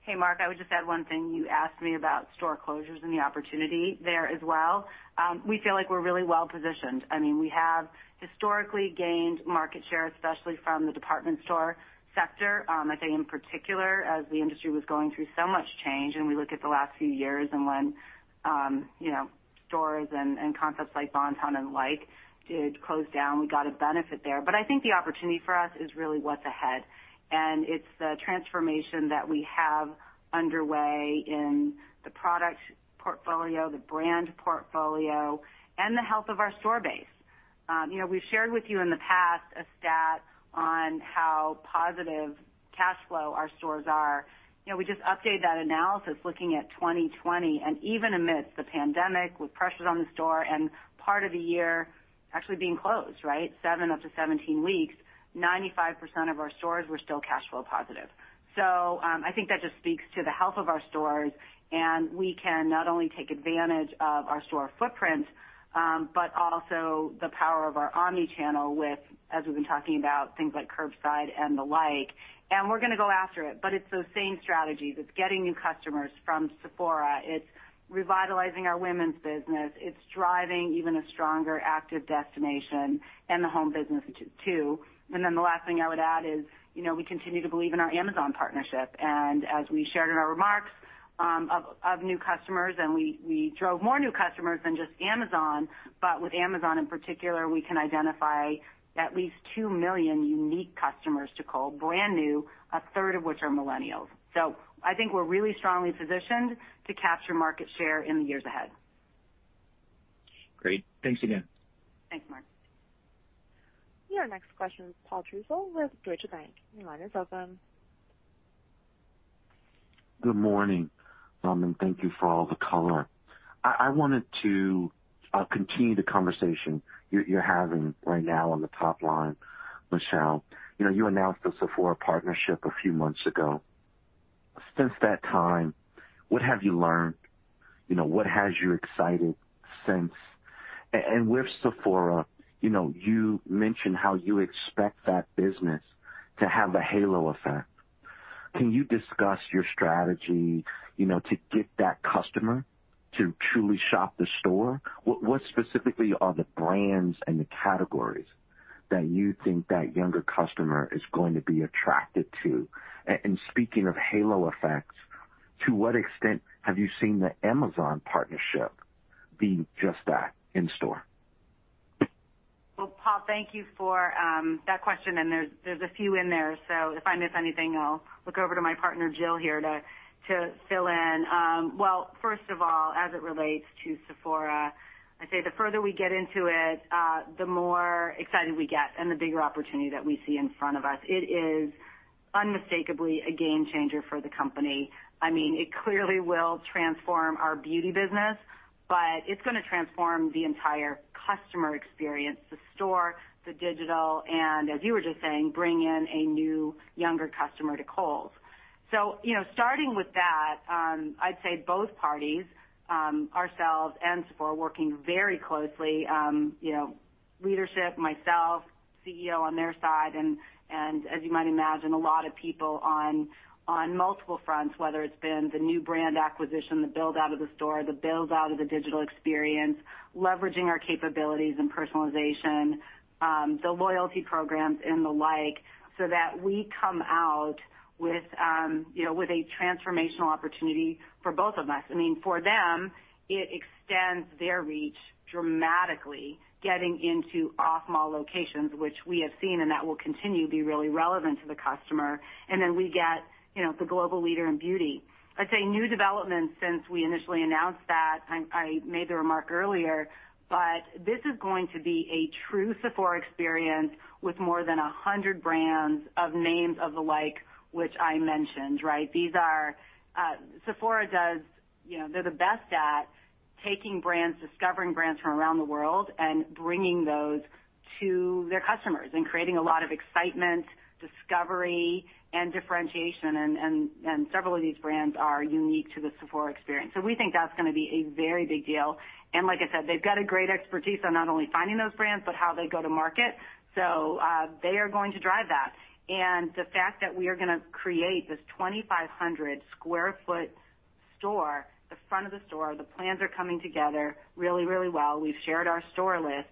Hey, Mark, I would just add one thing. You asked me about store closures and the opportunity there as well. We feel like we're really well positioned. We have historically gained market share, especially from the department store sector. I think in particular as the industry was going through so much change and we look at the last few years and when stores and concepts like Bon-Ton and the like did close down, we got a benefit there. I think the opportunity for us is really what's ahead, and it's the transformation that we have underway in the product portfolio, the brand portfolio, and the health of our store base. We've shared with you in the past a stat on how positive cash flow our stores are. We just updated that analysis looking at 2020, even amidst the pandemic with pressures on the store and part of the year actually being closed, seven up to 17 weeks, 95% of our stores were still cash flow positive. I think that just speaks to the health of our stores, and we can not only take advantage of our store footprint, but also the power of our omni-channel with, as we've been talking about, things like curbside and the like, and we're going to go after it. It's those same strategies. It's getting new customers from Sephora. It's revitalizing our women's business. It's driving even a stronger active destination and the home business too. The last thing I would add is, we continue to believe in our Amazon partnership. As we shared in our remarks of new customers, and we drove more new customers than just Amazon, but with Amazon in particular, we can identify at least 2 million unique customers to Kohl's, brand new, a third of which are millennials. I think we're really strongly positioned to capture market share in the years ahead. Great. Thanks again. Thanks, Mark. Your next question is Paul Trussell with Deutsche Bank. Your line is open. Good morning, and thank you for all the color. I wanted to continue the conversation you're having right now on the top line, Michelle. You announced the Sephora partnership a few months ago. Since that time, what have you learned? What has you excited since? With Sephora, you mentioned how you expect that business to have a halo effect. Can you discuss your strategy to get that customer to truly shop the store? What specifically are the brands and the categories that you think that younger customer is going to be attracted to? Speaking of halo effects, to what extent have you seen the Amazon partnership being just that in store? Well, Paul, thank you for that question, and there's a few in there, so if I miss anything, I'll look over to my partner, Jill, here to fill in. Well, first of all, as it relates to Sephora, I'd say the further we get into it, the more excited we get and the bigger opportunity that we see in front of us. It is unmistakably a game changer for the company. It clearly will transform our beauty business, but it's going to transform the entire customer experience, the store, the digital, and as you were just saying, bring in a new, younger customer to Kohl's. Starting with that, I'd say both parties, ourselves and Sephora, working very closely. Leadership, myself, CEO on their side, and as you might imagine, a lot of people on multiple fronts, whether it's been the new brand acquisition, the build out of the store, the build out of the digital experience, leveraging our capabilities and personalization, the loyalty programs and the like, so that we come out with a transformational opportunity for both of us. For them, it extends their reach dramatically, getting into off mall locations, which we have seen, and that will continue to be really relevant to the customer. We get the global leader in beauty. I'd say new developments since we initially announced that, I made the remark earlier, but this is going to be a true Sephora experience with more than 100 brands of names of the like which I mentioned. Sephora, they're the best at taking brands, discovering brands from around the world, and bringing those to their customers and creating a lot of excitement, discovery, and differentiation, and several of these brands are unique to the Sephora experience. We think that's going to be a very big deal. Like I said, they've got a great expertise on not only finding those brands, but how they go to market. They are going to drive that. The fact that we are going to create this 2,500 sq ft store, the front of the store, the plans are coming together really, really well. We've shared our store list.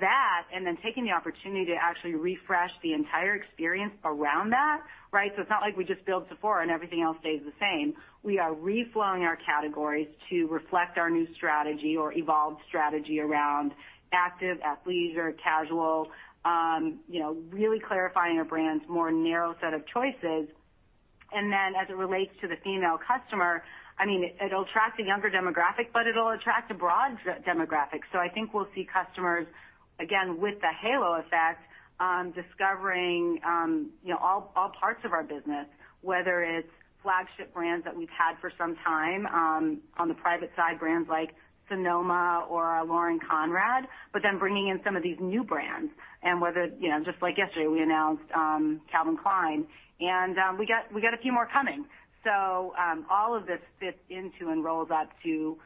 That, taking the opportunity to actually refresh the entire experience around that. It's not like we just build Sephora and everything else stays the same. We are reflowing our categories to reflect our new strategy or evolved strategy around active, athleisure, casual, really clarifying our brand's more narrow set of choices. Then as it relates to the female customer, it'll attract a younger demographic, but it'll attract a broad demographic. I think we'll see customers, again, with the halo effect, discovering all parts of our business, whether it's flagship brands that we've had for some time, on the private side, brands like Sonoma or Lauren Conrad, but then bringing in some of these new brands and whether, just like yesterday, we announced Calvin Klein, and we got a few more coming. All of this fits into and rolls up to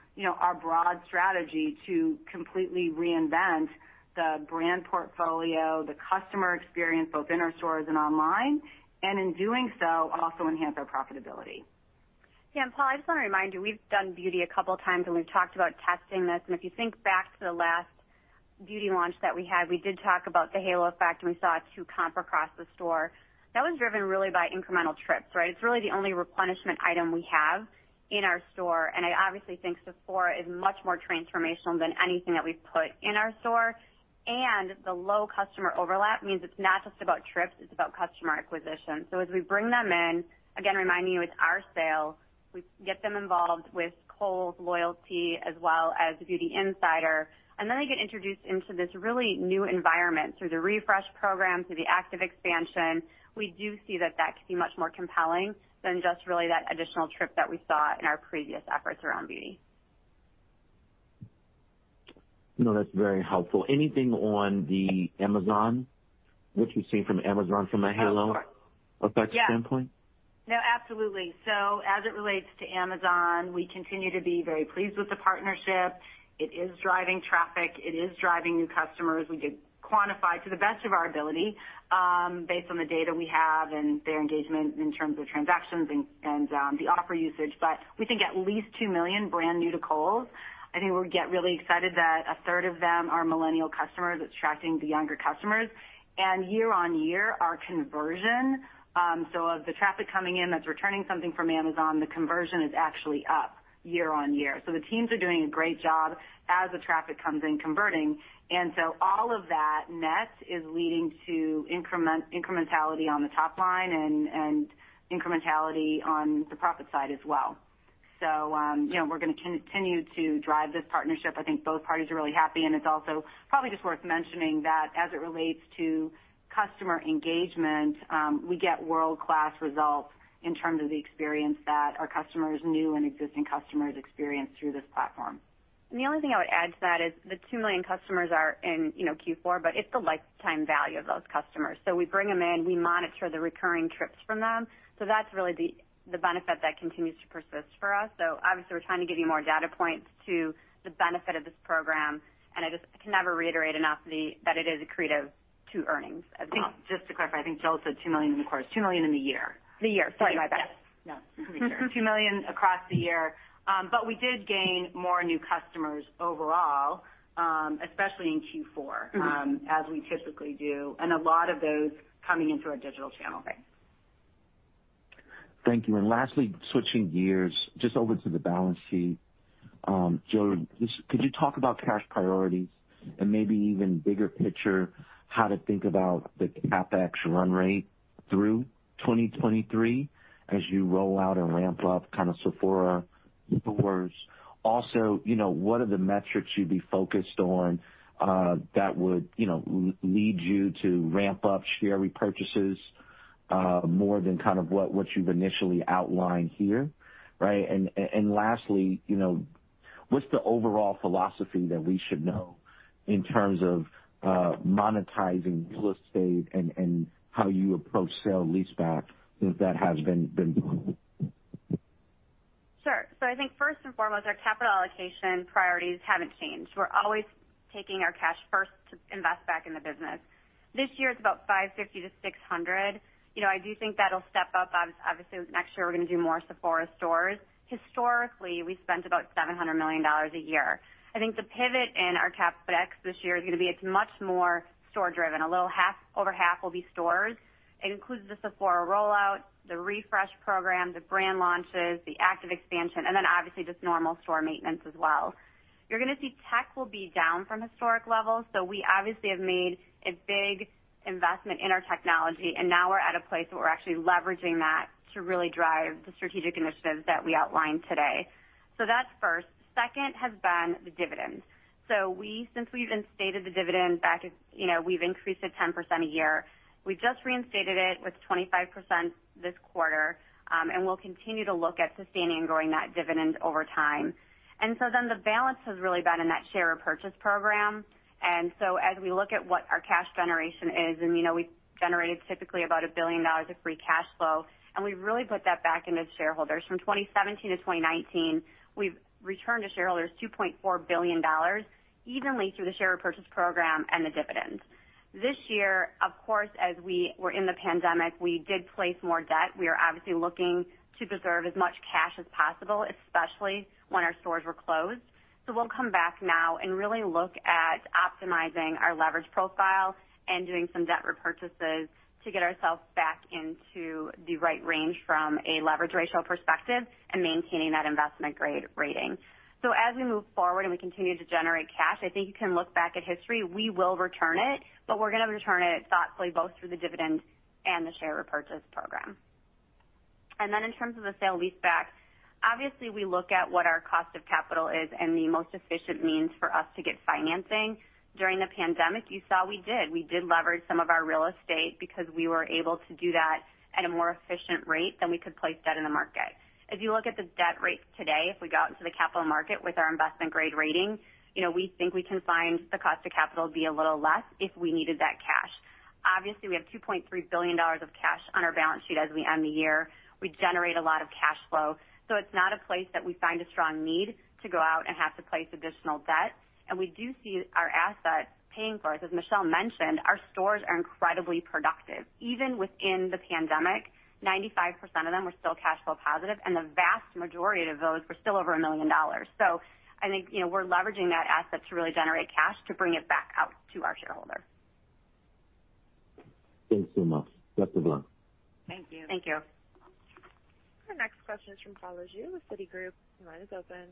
our broad strategy to completely reinvent the brand portfolio, the customer experience, both in our stores and online, and in doing so, also enhance our profitability. Paul, I just want to remind you, we've done beauty a couple of times, and we've talked about testing this, and if you think back to the last beauty launch that we had, we did talk about the halo effect, and we saw two comp across the store. That was driven really by incremental trips. It's really the only replenishment item we have in our store, and I obviously think Sephora is much more transformational than anything that we've put in our store. The low customer overlap means it's not just about trips, it's about customer acquisition. As we bring them in, again, remind you, it's our sale. We get them involved with Kohl's loyalty as well as Beauty Insider. They get introduced into this really new environment through the refresh program, through the active expansion. We do see that that could be much more compelling than just really that additional trip that we saw in our previous efforts around beauty. That's very helpful. Anything on the Amazon, what you've seen from Amazon from a Halo effect standpoint? Yeah. No, absolutely. As it relates to Amazon, we continue to be very pleased with the partnership. It is driving traffic. It is driving new customers. We could quantify to the best of our ability, based on the data we have and their engagement in terms of transactions and the offer usage. We think at least 2 million brand new to Kohl's. I think we get really excited that a third of them are millennial customers. It's attracting the younger customers. Year-on-year, our conversion, so of the traffic coming in that's returning something from Amazon, the conversion is actually up year-on-year. The teams are doing a great job as the traffic comes in converting. All of that net is leading to incrementality on the top line and incrementality on the profit side as well. We're going to continue to drive this partnership. I think both parties are really happy, and it's also probably just worth mentioning that as it relates to customer engagement, we get world-class results in terms of the experience that our customers, new and existing customers, experience through this platform. The only thing I would add to that is the 2 million customers are in Q4, but it's the lifetime value of those customers. We bring them in, we monitor the recurring trips from them. That's really the benefit that continues to persist for us. Obviously, we're trying to give you more data points to the benefit of this program, and I just can never reiterate enough that it is accretive to earnings as well. Just to clarify, I think Jill said 2 million in the quarter. It's 2 million in the year. The year. Sorry, my bad. Yes. No, it's pretty clear. 2 million across the year. We did gain more new customers overall, especially in Q4, as we typically do, and a lot of those coming into our digital channel. Right. Thank you. Lastly, switching gears just over to the balance sheet. Jill, could you talk about cash priorities and maybe even bigger picture, how to think about the CapEx run rate through 2023 as you roll out and ramp up Sephora stores? Also, what are the metrics you'd be focused on that would lead you to ramp up share repurchases more than what you've initially outlined here, right? Lastly, what's the overall philosophy that we should know in terms of monetizing real estate and how you approach sale leaseback that has been? Sure. I think first and foremost, our capital allocation priorities haven't changed. We're always taking our cash first to invest back in the business. This year it's about $550 million to $600 million. I do think that'll step up. Next year we're going to do more Sephora stores. Historically, we've spent about $700 million a year. I think the pivot in our CapEx this year is going to be it's much more store driven. A little over half will be stores. It includes the Sephora rollout, the refresh program, the brand launches, the active expansion, and then obviously just normal store maintenance as well. You're going to see tech will be down from historic levels. We obviously have made a big investment in our technology, and now we're at a place where we're actually leveraging that to really drive the strategic initiatives that we outlined today. That's first. Second has been the dividends. Since we've instated the dividend back, we've increased it 10% a year. We just reinstated it with 25% this quarter, and we'll continue to look at sustaining growing that dividend over time. The balance has really been in that share repurchase program. As we look at what our cash generation is, and we've generated typically about $1 billion of free cash flow, and we've really put that back into shareholders. From 2017 to 2019, we've returned to shareholders $2.4 billion evenly through the share repurchase program and the dividends. This year, of course, as we were in the pandemic, we did place more debt. We are obviously looking to preserve as much cash as possible, especially when our stores were closed. We'll come back now and really look at optimizing our leverage profile and doing some debt repurchases to get ourselves back into the right range from a leverage ratio perspective and maintaining that investment-grade rating. As we move forward and we continue to generate cash, I think you can look back at history. We will return it, but we're going to return it thoughtfully, both through the dividends and the share repurchase program. Then in terms of the sale leaseback, obviously, we look at what our cost of capital is and the most efficient means for us to get financing. During the pandemic, you saw we did. We did leverage some of our real estate because we were able to do that at a more efficient rate than we could place debt in the market. If you look at the debt rates today, if we go out into the capital market with our investment-grade rating, we think we can find the cost of capital be a little less if we needed that cash. Obviously, we have $2.3 billion of cash on our balance sheet as we end the year. We generate a lot of cash flow. It's not a place that we find a strong need to go out and have to place additional debt. We do see our assets paying for us. As Michelle mentioned, our stores are incredibly productive. Even within the pandemic, 95% of them were still cash flow positive, and the vast majority of those were still over $1 million. I think we're leveraging that asset to really generate cash to bring it back out to our shareholders. Thanks so much. Best of luck. Thank you. Thank you. Our next question is from Paul Lejuez with Citigroup. Your line is open.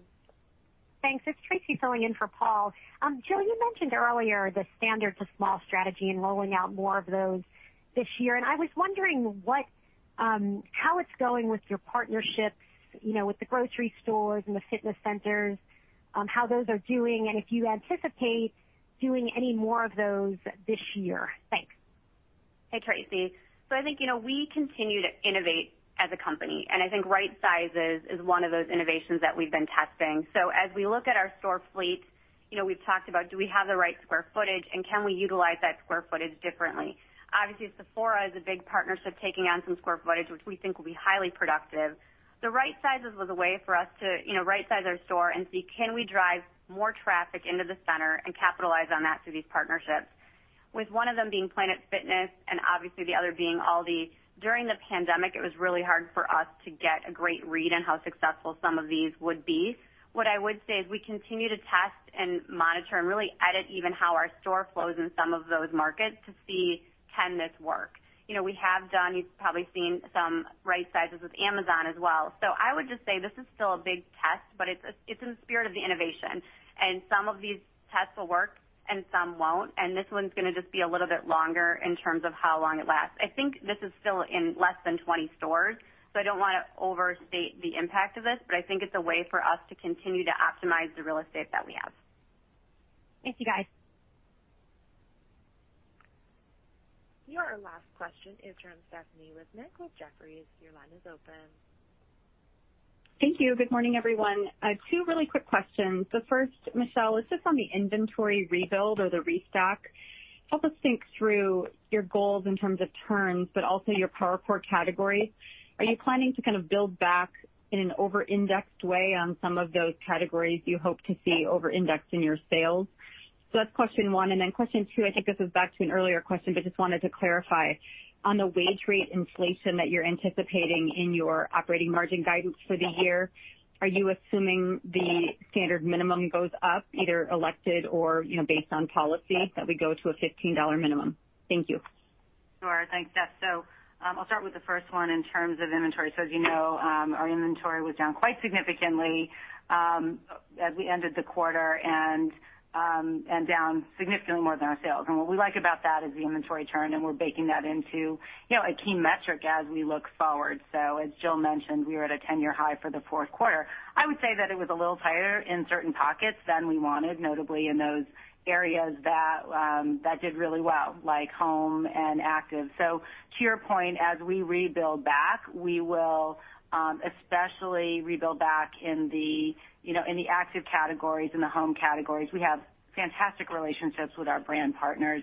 Thanks. It is Tracy filling in for Paul. Jill, you mentioned earlier the Standard to small strategy and rolling out more of those this year, and I was wondering how it is going with your partnerships, with the grocery stores and the fitness centers, how those are doing, and if you anticipate doing any more of those this year. Thanks. Hey, Tracy. I think we continue to innovate as a company, and I think rightsizing is one of those innovations that we've been testing. As we look at our store fleet, we've talked about do we have the right square footage and can we utilize that square footage differently? Obviously, Sephora is a big partnership taking on some square footage, which we think will be highly productive. The rightsizing was a way for us to right-size our store and see, can we drive more traffic into the center and capitalize on that through these partnerships, with one of them being Planet Fitness and obviously the other being Aldi. During the pandemic, it was really hard for us to get a great read on how successful some of these would be. What I would say is we continue to test and monitor and really edit even how our store flows in some of those markets to see can this work. We have done, you've probably seen some Right Sizes with Amazon as well. I would just say this is still a big test, but it's in the spirit of the innovation, and some of these tests will work and some won't, and this one's going to just be a little bit longer in terms of how long it lasts. I think this is still in less than 20 stores, so I don't want to overstate the impact of this, but I think it's a way for us to continue to optimize the real estate that we have. Thank you, guys. Your last question is from Stephanie Wissink with Jefferies. Your line is open. Thank you. Good morning, everyone. Two really quick questions. First, Michelle, is just on the inventory rebuild or the restock. Help us think through your goals in terms of turns, but also your power core categories. Are you planning to kind of build back in an over-indexed way on some of those categories you hope to see over-index in your sales? That's question one, question two, I think this is back to an earlier question, but just wanted to clarify. On the wage rate inflation that you're anticipating in your operating margin guidance for the year, are you assuming the standard minimum goes up, either elected or based on policy, that we go to a $15 minimum? Thank you. Sure. Thanks, Steph. I'll start with the first one in terms of inventory. As you know, our inventory was down quite significantly as we ended the quarter, and down significantly more than our sales. What we like about that is the inventory turn, and we're baking that into a key metric as we look forward. As Jill mentioned, we are at a 10-year high for the fourth quarter. I would say that it was a little tighter in certain pockets than we wanted, notably in those areas that did really well, like home and active. To your point, as we rebuild back, we will especially rebuild back in the active categories, in the home categories. We have fantastic relationships with our brand partners,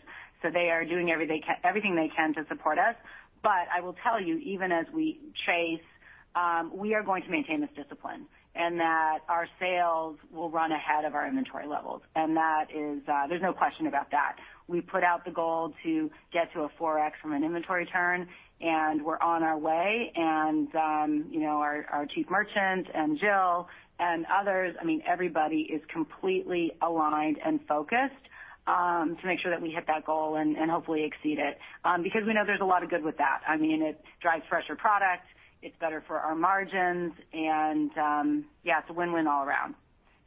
they are doing everything they can to support us. I will tell you, even as we chase, we are going to maintain this discipline, and that our sales will run ahead of our inventory levels. There's no question about that. We put out the goal to get to a 4x from an inventory turn, and we're on our way, and our chief merchant and Jill and others, everybody is completely aligned and focused to make sure that we hit that goal and hopefully exceed it. We know there's a lot of good with that. It drives fresher product. It's better for our margins and yeah, it's a win-win all around.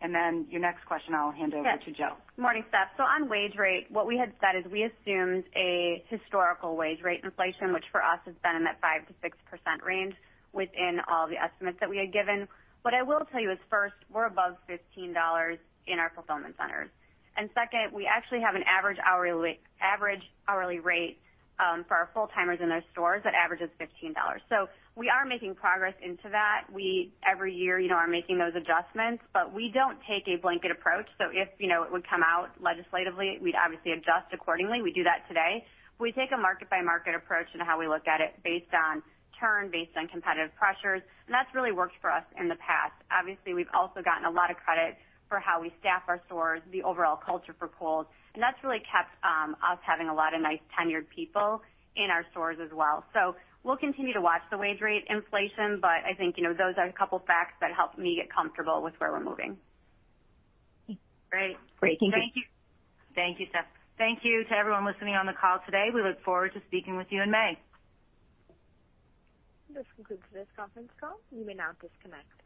Your next question, I'll hand over to Jill. Yes. Morning, Steph. On wage rate, what we had said is we assumed a historical wage rate inflation, which for us has been in that 5%-6% range within all the estimates that we had given. What I will tell you is first, we're above $15 in our fulfillment centers. Second, we actually have an average hourly rate for our full-timers in our stores that averages $15. We are making progress into that. We, every year, are making those adjustments, but we don't take a blanket approach. If it would come out legislatively, we'd obviously adjust accordingly. We do that today. We take a market-by-market approach into how we look at it based on turn, based on competitive pressures, and that's really worked for us in the past. We've also gotten a lot of credit for how we staff our stores, the overall culture for Kohl's, and that's really kept us having a lot of nice tenured people in our stores as well. We'll continue to watch the wage rate inflation, but I think those are a couple of facts that help me get comfortable with where we're moving. Great. Thank you. Thank you, Steph. Thank you to everyone listening on the call today. We look forward to speaking with you in May. This concludes this conference call. You may now disconnect.